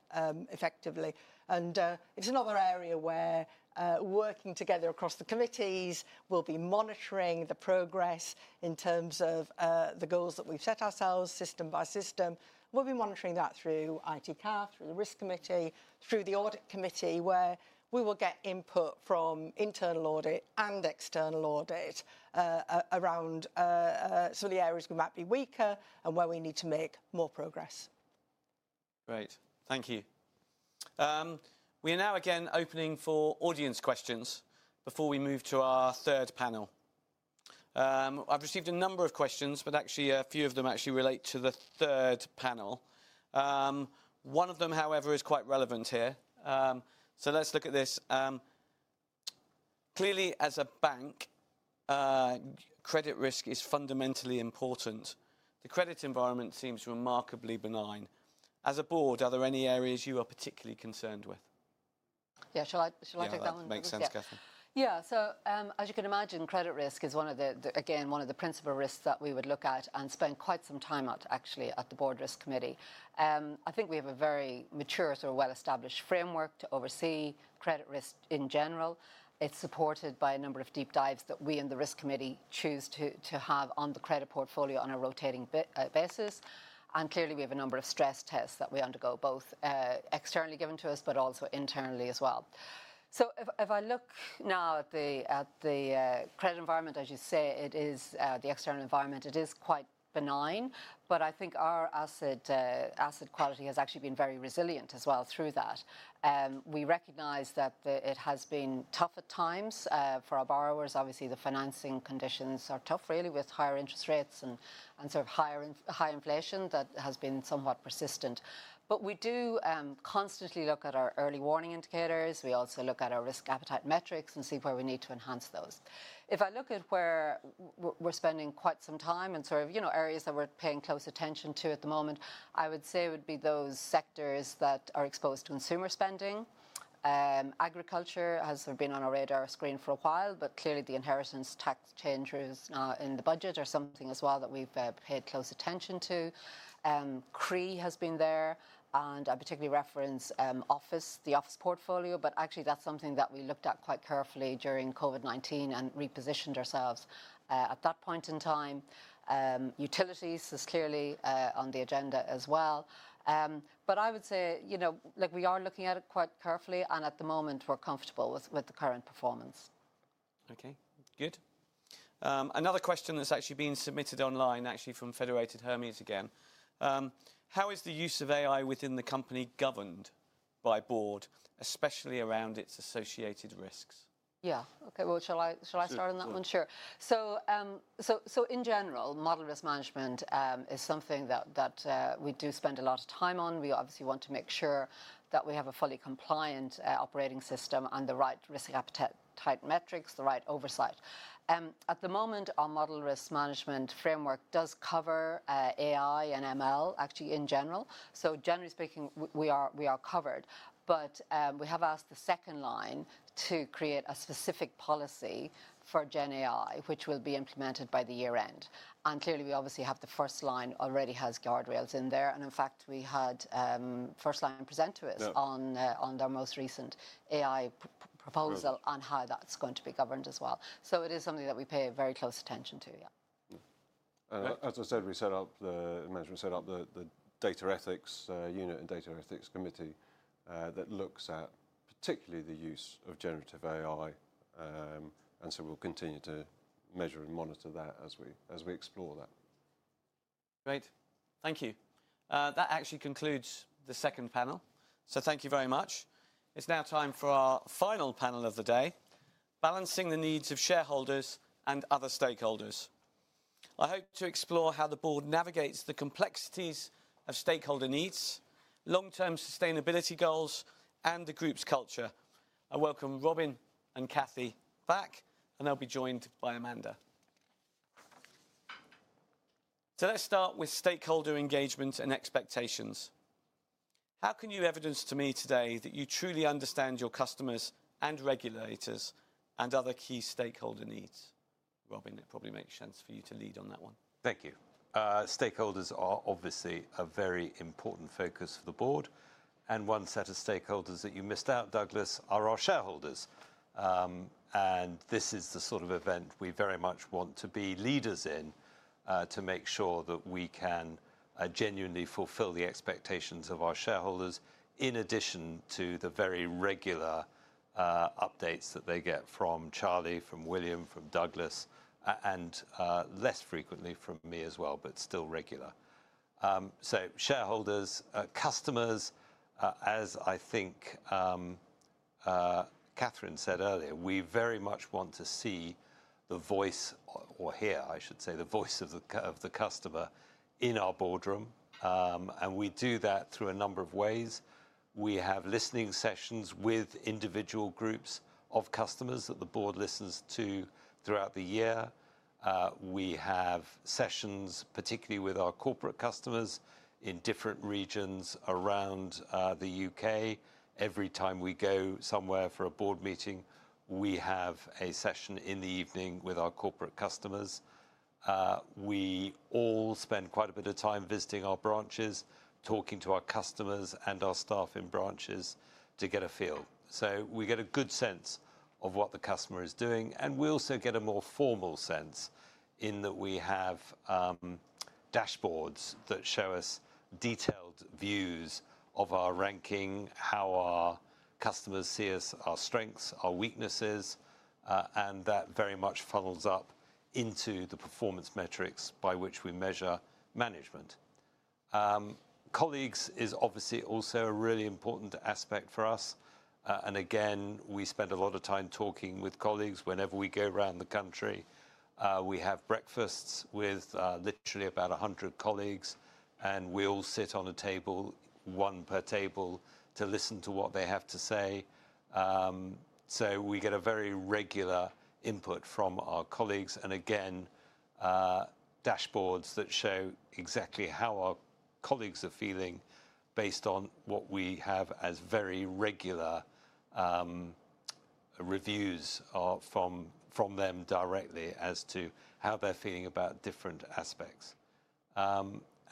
effectively, and it's another area where working together across the committees will be monitoring the progress in terms of the goals that we've set ourselves system by system. We'll be monitoring that through ITCAF, through the Risk Committee, through the Audit Committee, where we will get input from internal audit and external audit around some of the areas we might be weaker and where we need to make more progress. Great. Thank you. We are now again opening for audience questions before we move to our third panel. I've received a number of questions, but actually a few of them actually relate to the third panel. One of them, however, is quite relevant here. So let's look at this. Clearly, as a bank, credit risk is fundamentally important. The credit environment seems remarkably benign. As a board, are there any areas you are particularly concerned with? Yeah, shall I take that one? Yeah, makes sense, Catherine. Yeah, so as you can imagine, credit risk is one of the, again, one of the principal risks that we would look at and spend quite some time at, actually, at the Board Risk Committee. I think we have a very mature sort of well-established framework to oversee credit risk in general. It's supported by a number of deep dives that we in the Risk Committee choose to have on the credit portfolio on a rotating basis. And clearly, we have a number of stress tests that we undergo both externally given to us, but also internally as well. So if I look now at the credit environment, as you say, it is the external environment, it is quite benign, but I think our asset quality has actually been very resilient as well through that. We recognize that it has been tough at times for our borrowers. Obviously, the financing conditions are tough, really, with higher interest rates and sort of high inflation that has been somewhat persistent. But we do constantly look at our early warning indicators. We also look at our risk appetite metrics and see where we need to enhance those. If I look at where we're spending quite some time and sort of areas that we're paying close attention to at the moment, I would say it would be those sectors that are exposed to consumer spending. Agriculture has been on our radar screen for a while, but clearly the inheritance tax changes in the budget are something as well that we've paid close attention to. CRE has been there, and I particularly reference the office portfolio, but actually that's something that we looked at quite carefully during COVID-19 and repositioned ourselves at that point in time. Utilities is clearly on the agenda as well. But I would say, you know, look, we are looking at it quite carefully, and at the moment, we're comfortable with the current performance. Okay, good. Another question that's actually been submitted online, actually from Federated Hermes again. How is the use of AI within the company governed by board, especially around its associated risks? Yeah, okay, well, shall I start on that one? Sure. So in general, model risk management is something that we do spend a lot of time on. We obviously want to make sure that we have a fully compliant operating system and the right risk appetite type metrics, the right oversight. At the moment, our model risk management framework does cover AI and ML, actually in general. So generally speaking, we are covered. But we have asked the second line to create a specific policy for Gen AI, which will be implemented by the year end. And clearly, we obviously have the first line already has guardrails in there. And in fact, we had first line present to us on their most recent AI proposal on how that's going to be governed as well. So it is something that we pay very close attention to, yeah. As I said, we set up the management, set up the Data Ethics Unit and Data Ethics Committee that looks at particularly the use of generative AI. And so we'll continue to measure and monitor that as we explore that. Great. Thank you. That actually concludes the second panel. So thank you very much. It's now time for our final panel of the day, balancing the needs of shareholders and other stakeholders. I hope to explore how the board navigates the complexities of stakeholder needs, long-term sustainability goals, and the group's culture. I welcome Robin and Cathy back, and they'll be joined by Amanda. So let's start with stakeholder engagement and expectations. How can you evidence to me today that you truly understand your customers and regulators and other key stakeholder needs? Robin, it probably makes sense for you to lead on that one. Thank you. Stakeholders are obviously a very important focus for the board, and one set of stakeholders that you missed out, Douglas, are our shareholders, and this is the sort of event we very much want to be leaders in to make sure that we can genuinely fulfill the expectations of our shareholders in addition to the very regular updates that they get from Charlie, from William, from Douglas, and less frequently from me as well, but still regular, so shareholders, customers, as I think Catherine said earlier, we very much want to see the voice, or hear, I should say, the voice of the customer in our boardroom, and we do that through a number of ways. We have listening sessions with individual groups of customers that the board listens to throughout the year. We have sessions, particularly with our corporate customers in different regions around the UK. Every time we go somewhere for a board meeting, we have a session in the evening with our corporate customers. We all spend quite a bit of time visiting our branches, talking to our customers and our staff in branches to get a feel. So we get a good sense of what the customer is doing. And we also get a more formal sense in that we have dashboards that show us detailed views of our ranking, how our customers see us, our strengths, our weaknesses, and that very much funnels up into the performance metrics by which we measure management. Colleagues is obviously also a really important aspect for us. And again, we spend a lot of time talking with colleagues whenever we go around the country. We have breakfasts with literally about 100 colleagues, and we all sit on a table, one per table, to listen to what they have to say. So we get a very regular input from our colleagues. And again, dashboards that show exactly how our colleagues are feeling based on what we have as very regular reviews from them directly as to how they're feeling about different aspects.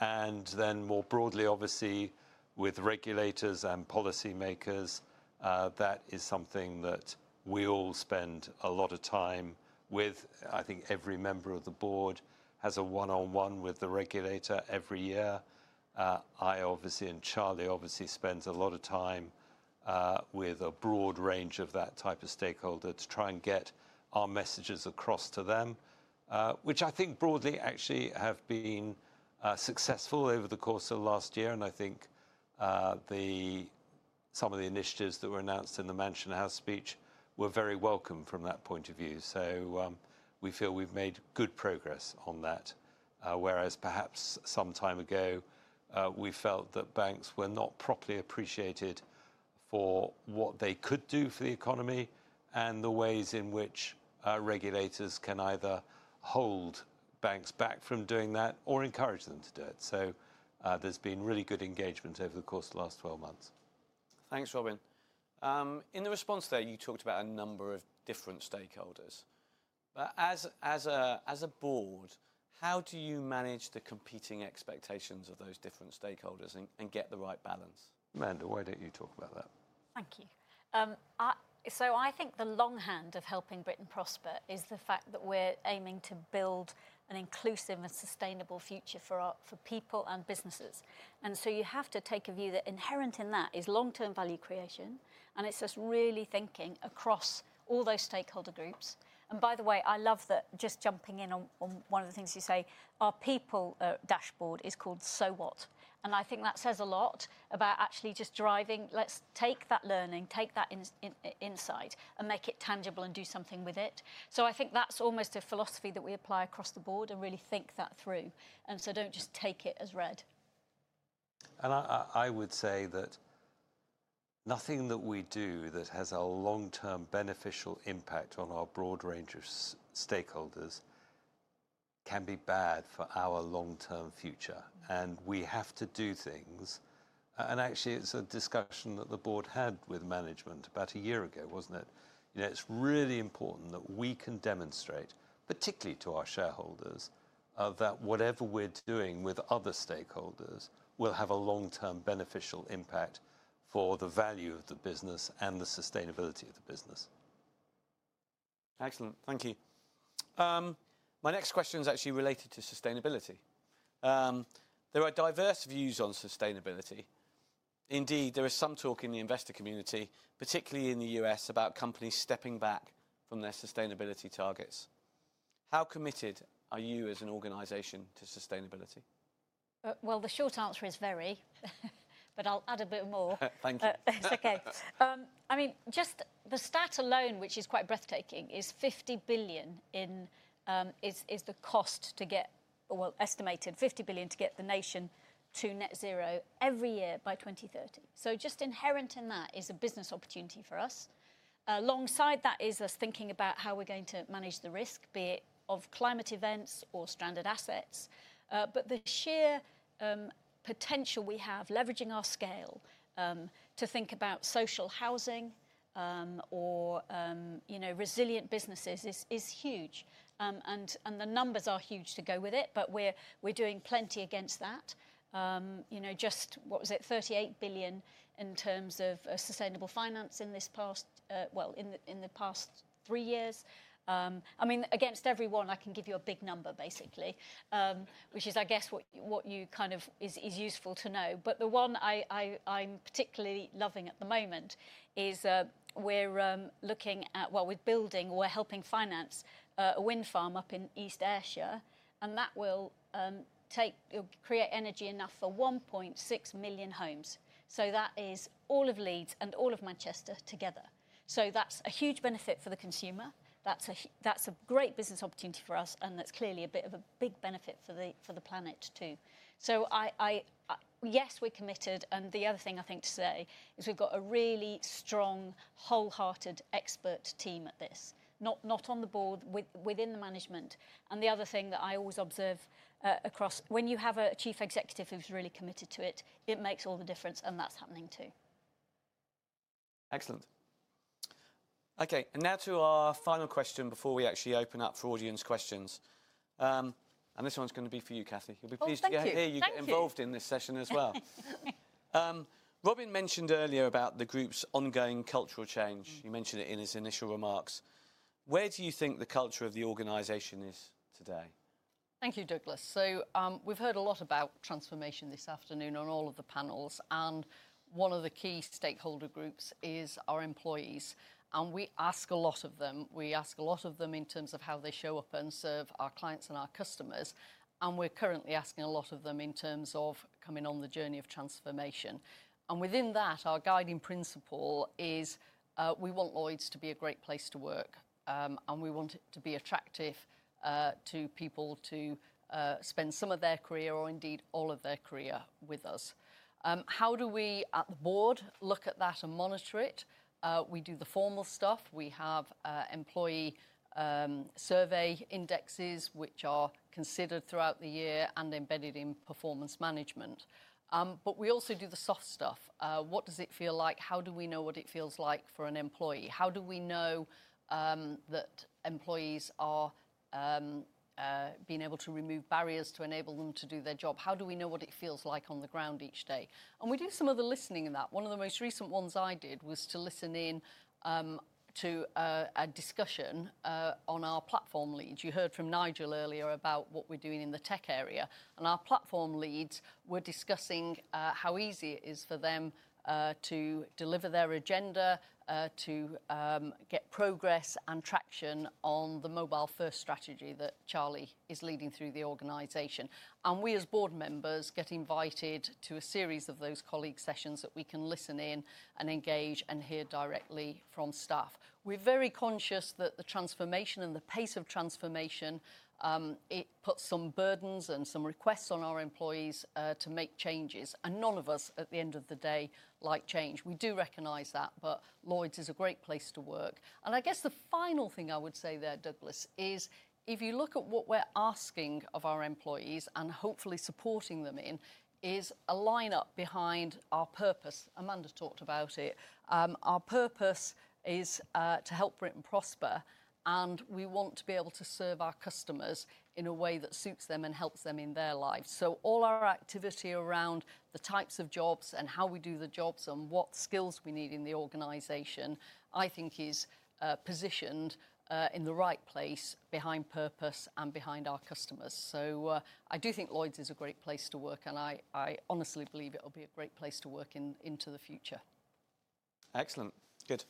And then more broadly, obviously, with regulators and policymakers, that is something that we all spend a lot of time with. I think every member of the board has a one-on-one with the regulator every year. I, obviously, and Charlie obviously spend a lot of time with a broad range of that type of stakeholder to try and get our messages across to them, which I think broadly actually have been successful over the course of the last year. I think some of the initiatives that were announced in the Mansion House speech were very welcome from that point of view. We feel we've made good progress on that. Whereas perhaps some time ago, we felt that banks were not properly appreciated for what they could do for the economy and the ways in which regulators can either hold banks back from doing that or encourage them to do it. There's been really good engagement over the course of the last 12 months. Thanks, Robin. In the response there, you talked about a number of different stakeholders. As a board, how do you manage the competing expectations of those different stakeholders and get the right balance? Amanda, why don't you talk about that? Thank you. So I think the long hand of helping Britain prosper is the fact that we're aiming to build an inclusive and sustainable future for people and businesses. And so you have to take a view that inherent in that is long-term value creation. And it's just really thinking across all those stakeholder groups. And by the way, I love that just jumping in on one of the things you say, our people dashboard is called So What. And I think that says a lot about actually just driving, let's take that learning, take that insight and make it tangible and do something with it. So I think that's almost a philosophy that we apply across the board and really think that through. And so don't just take it as read. And I would say that nothing that we do that has a long-term beneficial impact on our broad range of stakeholders can be bad for our long-term future. And we have to do things. And actually, it's a discussion that the board had with management about a year ago, wasn't it? It's really important that we can demonstrate, particularly to our shareholders, that whatever we're doing with other stakeholders will have a long-term beneficial impact for the value of the business and the sustainability of the business. Excellent. Thank you. My next question is actually related to sustainability. There are diverse views on sustainability. Indeed, there is some talk in the investor community, particularly in the U.S., about companies stepping back from their sustainability targets. How committed are you as an organization to sustainability? Well, the short answer is very, but I'll add a bit more. It's okay. I mean, just the stat alone, which is quite breathtaking, is 50 billion, which is the estimated cost to get the nation to net zero every year by 2030. So just inherent in that is a business opportunity for us. Alongside that is us thinking about how we're going to manage the risk, be it of climate events or stranded assets. The sheer potential we have leveraging our scale to think about social housing or resilient businesses is huge. And the numbers are huge to go with it, but we're doing plenty against that. Just what was it, 38 billion in terms of sustainable finance in the past three years. I mean, against everyone, I can give you a big number basically, which is, I guess, what you kind of is useful to know. But the one I'm particularly loving at the moment is we're looking at, well, we're building, we're helping finance a wind farm up in East Ayrshire. And that will create energy enough for 1.6 million homes. So that is all of Leeds and all of Manchester together. So that's a huge benefit for the consumer. That's a great business opportunity for us. And that's clearly a bit of a big benefit for the planet too. So yes, we're committed. And the other thing I think to say is we've got a really strong, wholehearted expert team at this, not on the board, within the management. And the other thing that I always observe across, when you have a chief executive who's really committed to it, it makes all the difference, and that's happening too. Excellent. Okay, and now to our final question before we actually open up for audience questions. And this one's going to be for you, Cathy. You'll be pleased to get here. You get involved in this session as well. Robin mentioned earlier about the group's ongoing cultural change. You mentioned it in his initial remarks. Where do you think the culture of the organization is today? Thank you, Douglas. So we've heard a lot about transformation this afternoon on all of the panels. And one of the key stakeholder groups is our employees. And we ask a lot of them. We ask a lot of them in terms of how they show up and serve our clients and our customers. And we're currently asking a lot of them in terms of coming on the journey of transformation. And within that, our guiding principle is we want Lloyds to be a great place to work. And we want it to be attractive to people to spend some of their career or indeed all of their career with us. How do we at the board look at that and monitor it? We do the formal stuff. We have employee survey indexes, which are considered throughout the year and embedded in performance management. But we also do the soft stuff. What does it feel like? How do we know what it feels like for an employee? How do we know that employees are being able to remove barriers to enable them to do their job? How do we know what it feels like on the ground each day? And we do some of the listening in that. One of the most recent ones I did was to listen in to a discussion on our platform leads. You heard from Nigel earlier about what we're doing in the tech area. And our platform leads were discussing how easy it is for them to deliver their agenda, to get progress and traction on the mobile-first strategy that Charlie is leading through the organization. We as board members get invited to a series of those colleague sessions that we can listen in and engage and hear directly from staff. We're very conscious that the transformation and the pace of transformation, it puts some burdens and some requests on our employees to make changes. None of us at the end of the day like change. We do recognize that, but Lloyds is a great place to work. I guess the final thing I would say there, Douglas, is if you look at what we're asking of our employees and hopefully supporting them in, is a lineup behind our purpose. Amanda talked about it. Our purpose is to help Britain prosper. We want to be able to serve our customers in a way that suits them and helps them in their lives. So all our activity around the types of jobs and how we do the jobs and what skills we need in the organization, I think is positioned in the right place behind purpose and behind our customers. So I do think Lloyds is a great place to work. And I honestly believe it'll be a great place to work into the future. Excellent. Good.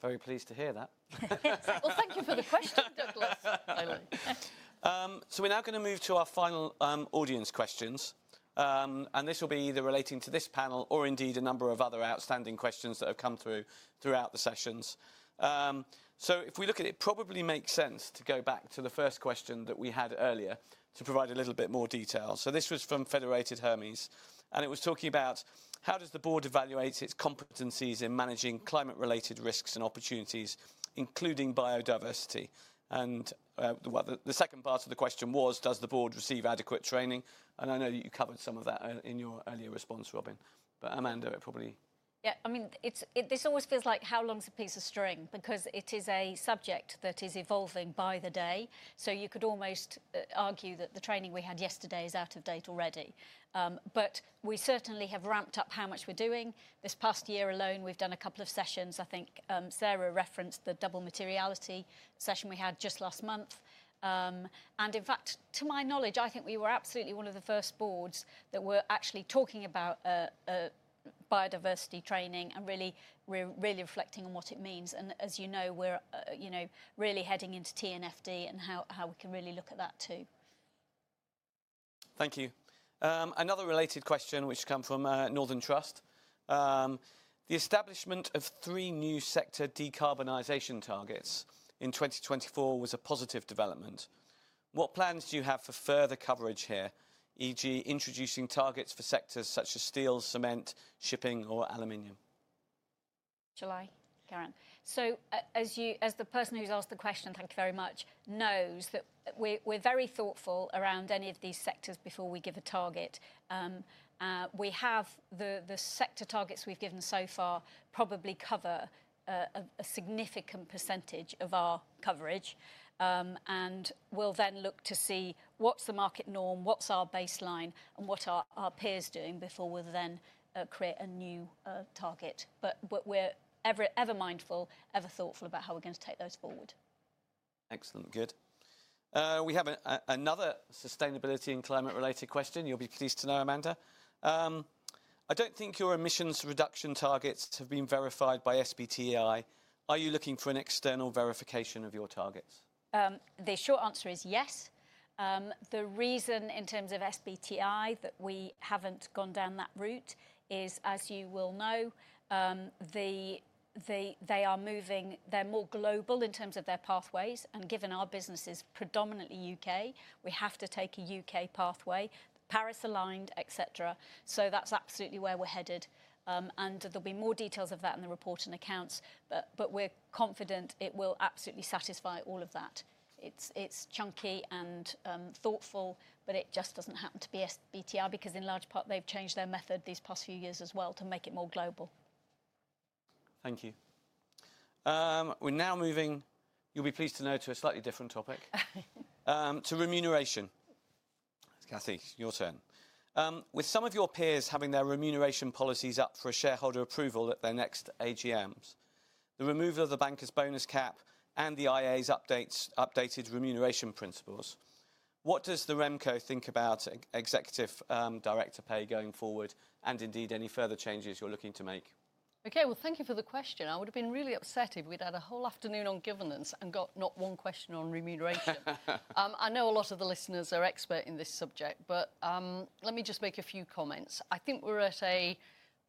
Very pleased to hear that. Thank you for the question, Douglas. So we're now going to move to our final audience questions. And this will be either relating to this panel or indeed a number of other outstanding questions that have come through throughout the sessions. So if we look at it, it probably makes sense to go back to the first question that we had earlier to provide a little bit more detail. So this was from Federated Hermes. And it was talking about how does the board evaluate its competencies in managing climate-related risks and opportunities, including biodiversity. And the second part of the question was, does the board receive adequate training? And I know that you covered some of that in your earlier response, Robin. But Amanda, it probably. Yeah, I mean, this always feels like how long's a piece of string because it is a subject that is evolving by the day. So you could almost argue that the training we had yesterday is out of date already. But we certainly have ramped up how much we're doing. This past year alone, we've done a couple of sessions. I think Sarah referenced the double materiality session we had just last month. And in fact, to my knowledge, I think we were absolutely one of the first boards that were actually talking about biodiversity training and really reflecting on what it means. And as you know, we're really heading into TNFD and how we can really look at that too. Thank you. Another related question, which comes from Northern Trust. The establishment of three new sector decarbonization targets in 2024 was a positive development. What plans do you have for further coverage here, e.g., introducing targets for sectors such as steel, cement, shipping, or aluminum? So as the person who's asked the question, thank you very much, knows that we're very thoughtful around any of these sectors before we give a target. We have the sector targets we've given so far probably cover a significant percentage of our coverage. And we'll then look to see what's the market norm, what's our baseline, and what are our peers doing before we then create a new target. But we're ever mindful, ever thoughtful about how we're going to take those forward. Excellent. Good. We have another sustainability and climate-related question. You'll be pleased to know, Amanda. I don't think your emissions reduction targets have been verified by SBTi. Are you looking for an external verification of your targets? The short answer is yes. The reason in terms of SBTi that we haven't gone down that route is, as you will know, they are moving, they're more global in terms of their pathways, and given our business is predominantly U.K., we have to take a U.K. pathway, Paris-aligned, etc., so that's absolutely where we're headed, and there'll be more details of that in the report and accounts, but we're confident it will absolutely satisfy all of that. It's chunky and thoughtful, but it just doesn't happen to be SBTi because in large part they've changed their method these past few years as well to make it more global. Thank you. We're now moving, you'll be pleased to know, to a slightly different topic, to remuneration. Cathy, your turn. With some of your peers having their remuneration policies up for shareholder approval at their next AGMs, the removal of the banker's bonus cap and the IA's updated remuneration principles, what does the RemCo think about executive director pay going forward and indeed any further changes you're looking to make? Okay, well, thank you for the question. I would have been really upset if we'd had a whole afternoon on governance and got not one question on remuneration. I know a lot of the listeners are experts in this subject, but let me just make a few comments. I think we're at an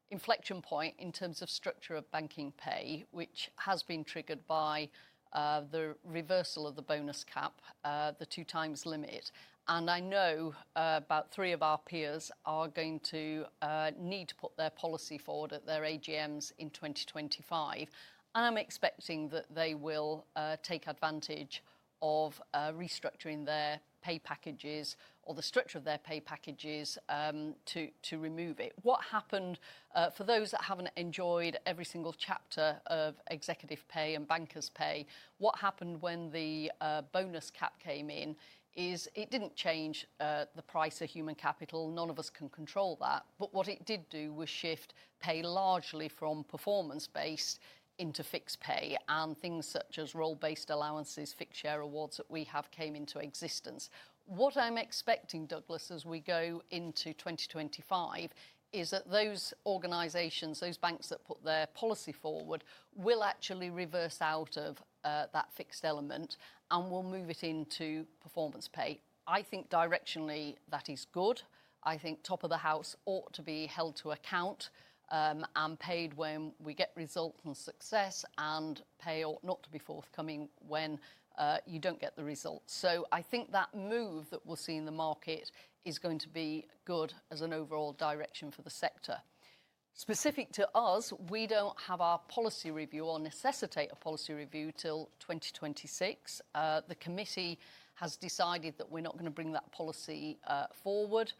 inflection point in terms of structure of banking pay, which has been triggered by the reversal of the bonus cap, the two times limit. And I know about three of our peers are going to need to put their policy forward at their AGMs in 2025. And I'm expecting that they will take advantage of restructuring their pay packages or the structure of their pay packages to remove it. What happened for those that haven't enjoyed every single chapter of executive pay and bankers' pay? What happened when the bonus cap came in is it didn't change the price of human capital. None of us can control that. But what it did do was shift pay largely from performance-based into fixed pay, and things such as role-based allowances, fixed share awards that we have came into existence. What I'm expecting, Douglas, as we go into 2025 is that those organizations, those banks that put their policy forward, will actually reverse out of that fixed element and will move it into performance pay. I think directionally that is good. I think top of the house ought to be held to account and paid when we get results and success and pay ought not to be forthcoming when you don't get the results. So I think that move that we'll see in the market is going to be good as an overall direction for the sector. Specific to us, we don't have our policy review or necessitate a policy review till 2026. The committee has decided that we're not going to bring that policy forward.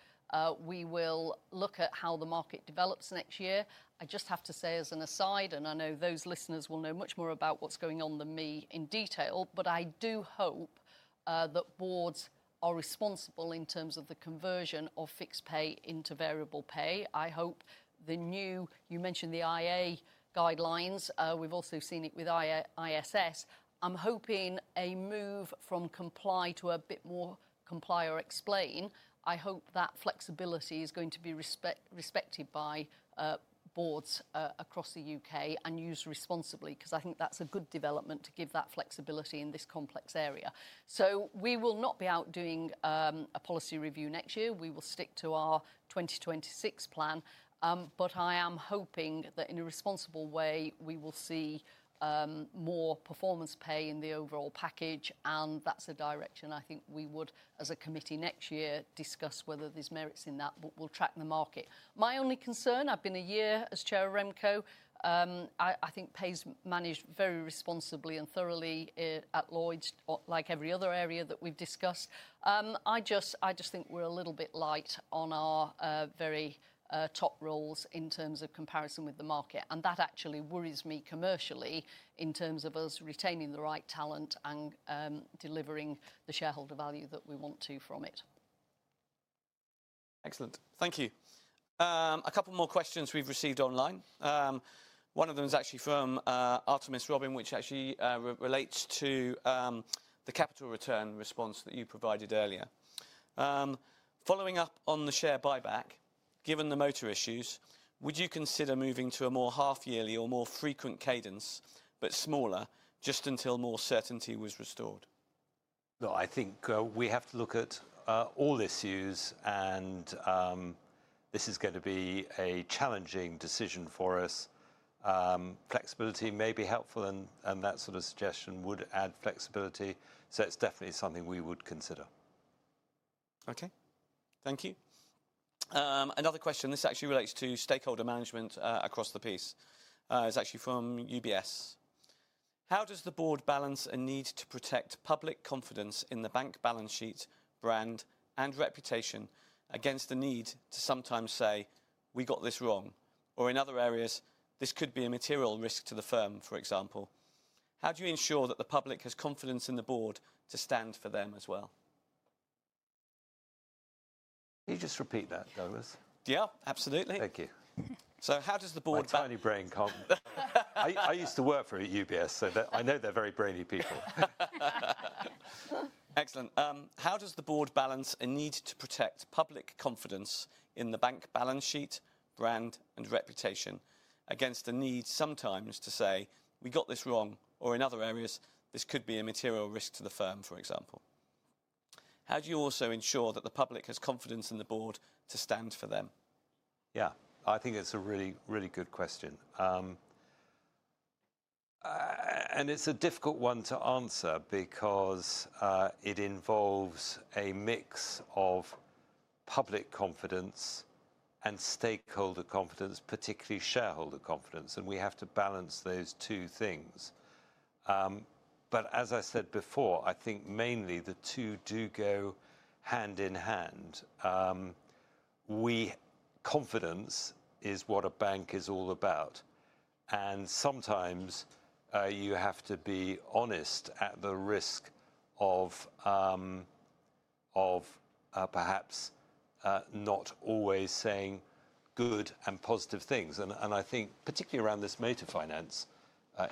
We will look at how the market develops next year. I just have to say as an aside, and I know those listeners will know much more about what's going on than me in detail, but I do hope that boards are responsible in terms of the conversion of fixed pay into variable pay. I hope the new, you mentioned the IA guidelines. We've also seen it with ISS. I'm hoping a move from comply to a bit more comply or explain. I hope that flexibility is going to be respected by boards across the U.K. and used responsibly because I think that's a good development to give that flexibility in this complex area, so we will not be out doing a policy review next year. We will stick to our 2026 plan, but I am hoping that in a responsible way, we will see more performance pay in the overall package, and that's a direction I think we would, as a committee next year, discuss whether there's merits in that, but we'll track the market. My only concern, I've been a year as chair of RemCo, I think pay's managed very responsibly and thoroughly at Lloyds, like every other area that we've discussed. I just think we're a little bit light on our very top roles in terms of comparison with the market. That actually worries me commercially in terms of us retaining the right talent and delivering the shareholder value that we want to from it. Excellent. Thank you. A couple more questions we've received online. One of them is actually from Artemis, which actually relates to the capital return response that you provided earlier. Following up on the share buyback, given the motor issues, would you consider moving to a more half-yearly or more frequent cadence, but smaller, just until more certainty was restored? No, I think we have to look at all issues. And this is going to be a challenging decision for us. Flexibility may be helpful. And that sort of suggestion would add flexibility. So it's definitely something we would consider. Okay. Thank you. Another question. This actually relates to stakeholder management across the piece. It's actually from UBS. How does the board balance a need to protect public confidence in the bank balance sheet, brand, and reputation against the need to sometimes say, "We got this wrong," or in other areas, "This could be a material risk to the firm," for example? How do you ensure that the public has confidence in the board to stand for them as well? Can you just repeat that, Douglas? Yeah, absolutely. Thank you. So how does the board balance? I'm a tiny brain, Cathy. I used to work for UBS, so I know they're very brainy people. Excellent. How does the board balance a need to protect public confidence in the bank balance sheet, brand, and reputation against the need sometimes to say, "We got this wrong," or in other areas, "This could be a material risk to the firm," for example? How do you also ensure that the public has confidence in the board to stand for them? Yeah, I think it's a really, really good question. And it's a difficult one to answer because it involves a mix of public confidence and stakeholder confidence, particularly shareholder confidence. And we have to balance those two things. But as I said before, I think mainly the two do go hand in hand. Confidence is what a bank is all about. And sometimes you have to be honest at the risk of perhaps not always saying good and positive things. And I think particularly around this motor finance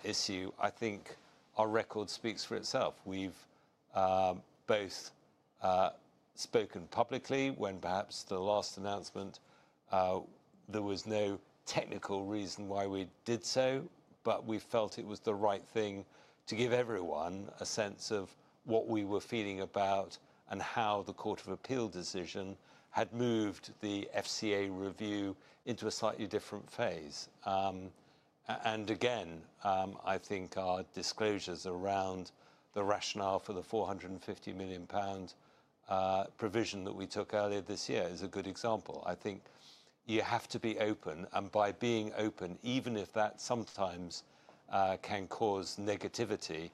issue, I think our record speaks for itself. We've both spoken publicly when perhaps the last announcement, there was no technical reason why we did so, but we felt it was the right thing to give everyone a sense of what we were feeling about and how the Court of Appeal decision had moved the FCA review into a slightly different phase. And again, I think our disclosures around the rationale for the 450 million pounds provision that we took earlier this year is a good example. I think you have to be open. And by being open, even if that sometimes can cause negativity,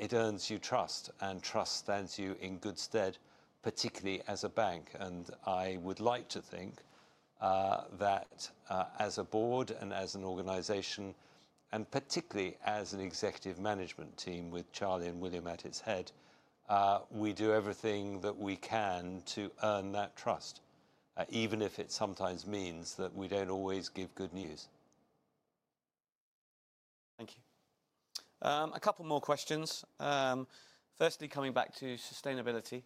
it earns you trust. And trust stands you in good stead, particularly as a bank. And I would like to think that as a board and as an organization, and particularly as an executive management team with Charlie and William at its head, we do everything that we can to earn that trust, even if it sometimes means that we don't always give good news. Thank you. A couple more questions. Firstly, coming back to sustainability.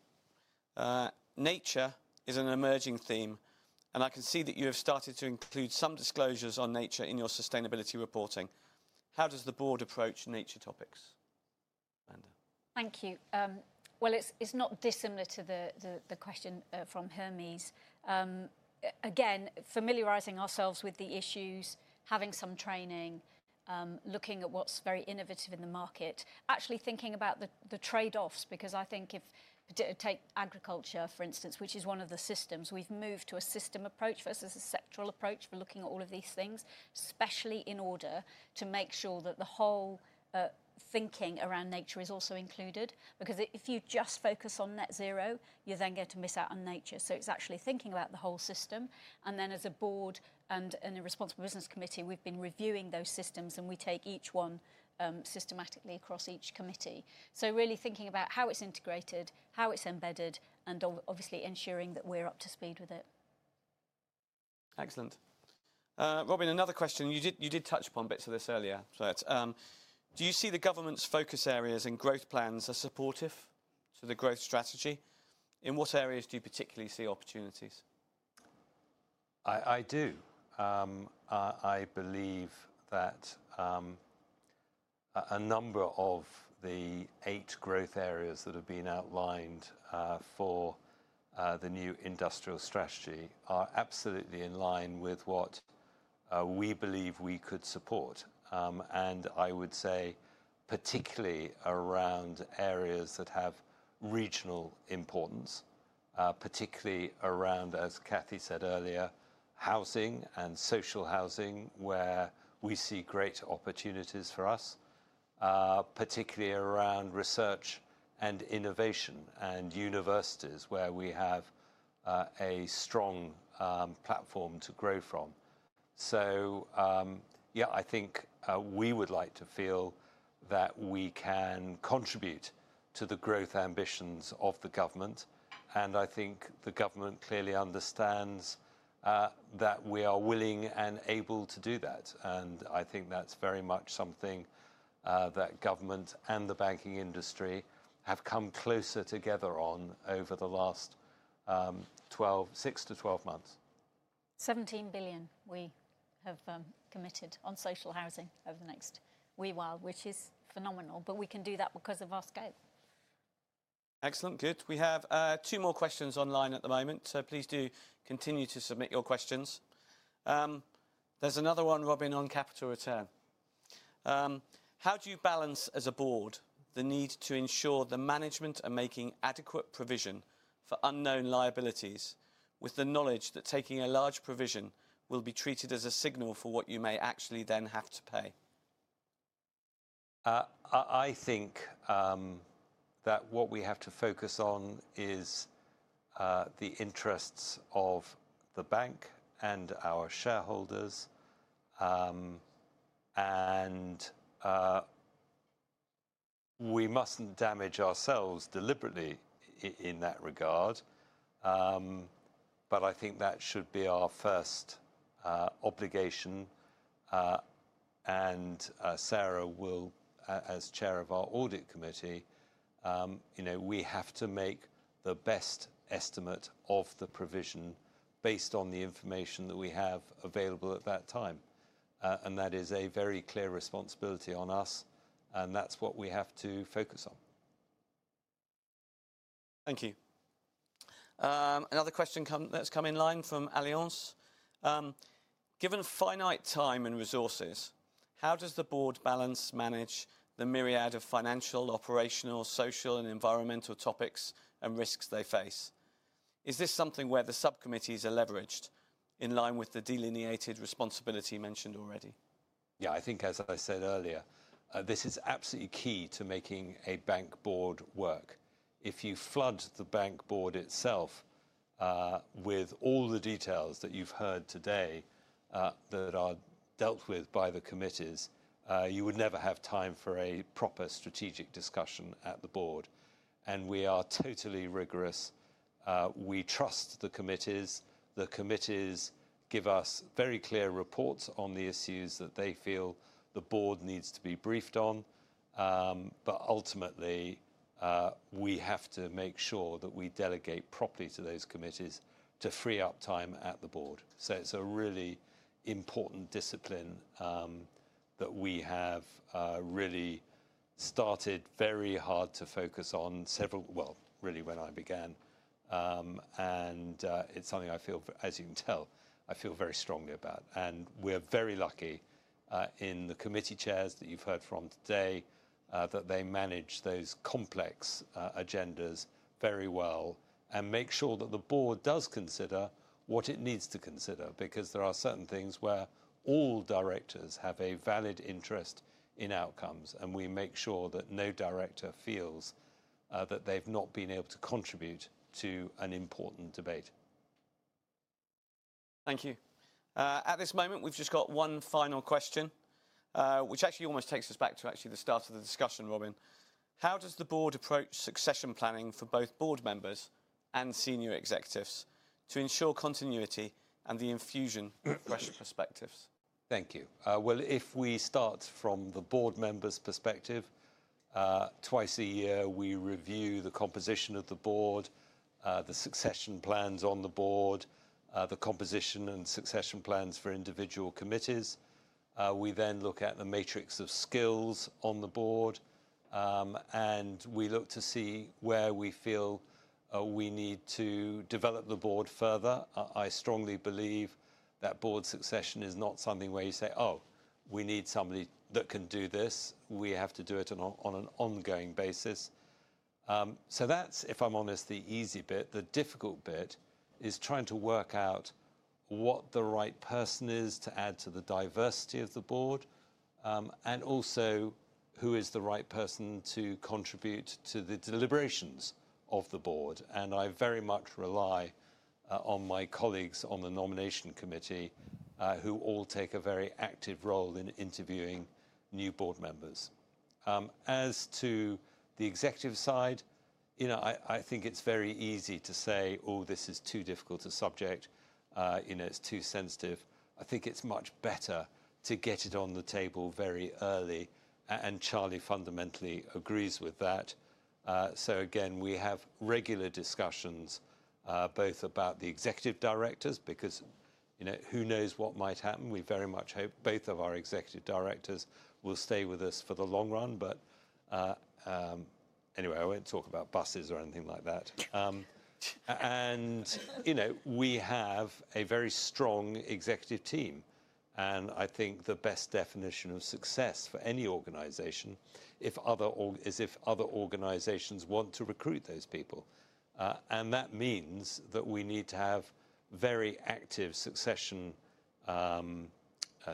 Nature is an emerging theme, and I can see that you have started to include some disclosures on nature in your sustainability reporting. How does the board approach nature topics? Amanda. Thank you. Well, it's not dissimilar to the question from Hermes. Again, familiarizing ourselves with the issues, having some training, looking at what's very innovative in the market, actually thinking about the trade-offs because I think if we take agriculture, for instance, which is one of the systems, we've moved to a system approach versus a sectoral approach for looking at all of these things, especially in order to make sure that the whole thinking around nature is also included. Because if you just focus on net zero, you then get to miss out on nature. So it's actually thinking about the whole system. And then as a Board and in a Responsible Business Committee, we've been reviewing those systems and we take each one systematically across each committee. So really thinking about how it's integrated, how it's embedded, and obviously ensuring that we're up to speed with it. Excellent. Robin, another question. You did touch upon bits of this earlier. Do you see the government's focus areas and growth plans are supportive to the growth strategy? In what areas do you particularly see opportunities? I do. I believe that a number of the eight growth areas that have been outlined for the new industrial strategy are absolutely in line with what we believe we could support. I would say particularly around areas that have regional importance, particularly around, as Cathy said earlier, housing and social housing where we see great opportunities for us, particularly around research and innovation and universities where we have a strong platform to grow from. Yeah, I think we would like to feel that we can contribute to the growth ambitions of the government. I think the government clearly understands that we are willing and able to do that. I think that's very much something that government and the banking industry have come closer together on over the last six to 12 months. 17 billion we have committed on social housing over the next wee while, which is phenomenal, but we can do that because of our scope. Excellent. Good. We have two more questions online at the moment. So please do continue to submit your questions. There's another one, Robin, on capital return. How do you balance as a board the need to ensure the management and making adequate provision for unknown liabilities with the knowledge that taking a large provision will be treated as a signal for what you may actually then have to pay? I think that what we have to focus on is the interests of the bank and our shareholders. And we mustn't damage ourselves deliberately in that regard. But I think that should be our first obligation. And Sarah will, as Chair of our Audit Committee, we have to make the best estimate of the provision based on the information that we have available at that time. And that is a very clear responsibility on us. And that's what we have to focus on. Thank you. Another question that's come in from Alliance. Given finite time and resources, how does the board balance, manage the myriad of financial, operational, social, and environmental topics and risks they face? Is this something where the subcommittees are leveraged in line with the delineated responsibility mentioned already? Yeah, I think, as I said earlier, this is absolutely key to making a bank board work. If you flood the bank board itself with all the details that you've heard today that are dealt with by the committees, you would never have time for a proper strategic discussion at the board. And we are totally rigorous. We trust the committees. The committees give us very clear reports on the issues that they feel the board needs to be briefed on. But ultimately, we have to make sure that we delegate properly to those committees to free up time at the board. So it's a really important discipline that we have really started very hard to focus on several, well, really when I began. And it's something I feel, as you can tell, I feel very strongly about. And we're very lucky in the committee chairs that you've heard from today that they manage those complex agendas very well and make sure that the board does consider what it needs to consider because there are certain things where all directors have a valid interest in outcomes. And we make sure that no director feels that they've not been able to contribute to an important debate. Thank you. At this moment, we've just got one final question, which actually almost takes us back to actually the start of the discussion, Robin. How does the board approach succession planning for both board members and senior executives to ensure continuity and the infusion of fresh perspectives? Thank you. Well, if we start from the board members' perspective, twice a year we review the composition of the board, the succession plans on the board, the composition and succession plans for individual committees. We then look at the matrix of skills on the board. And we look to see where we feel we need to develop the board further. I strongly believe that board succession is not something where you say, "Oh, we need somebody that can do this." We have to do it on an ongoing basis. So that's, if I'm honest, the easy bit. The difficult bit is trying to work out what the right person is to add to the diversity of the board and also who is the right person to contribute to the deliberations of the board. I very much rely on my colleagues on the Nomination Committee who all take a very active role in interviewing new board members. As to the executive side, I think it's very easy to say, "Oh, this is too difficult a subject. It's too sensitive." I think it's much better to get it on the table very early. Charlie fundamentally agrees with that. So again, we have regular discussions both about the executive directors because who knows what might happen. We very much hope both of our executive directors will stay with us for the long run. But anyway, I won't talk about buses or anything like that. We have a very strong executive team. I think the best definition of success for any organization is if other organizations want to recruit those people. That means that we need to have very active succession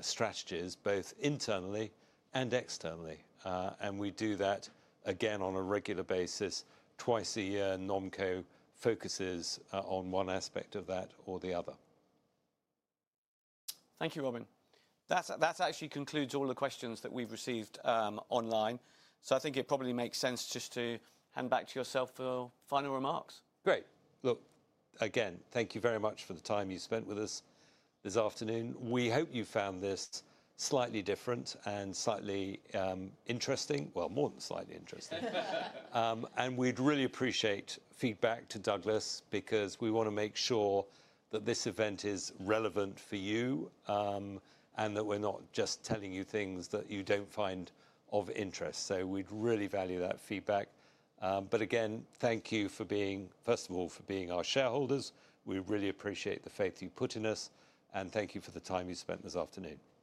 strategies both internally and externally. We do that again on a regular basis. Twice a year, NomCo focuses on one aspect of that or the other. Thank you, Robin. That actually concludes all the questions that we've received online. So I think it probably makes sense just to hand back to yourself for final remarks. Great. Look, again, thank you very much for the time you spent with us this afternoon. We hope you found this slightly different and slightly interesting, well, more than slightly interesting. And we'd really appreciate feedback to Douglas because we want to make sure that this event is relevant for you and that we're not just telling you things that you don't find of interest. So we'd really value that feedback. But again, thank you for being, first of all, for being our shareholders. We really appreciate the faith you put in us. And thank you for the time you spent this afternoon. Thank you.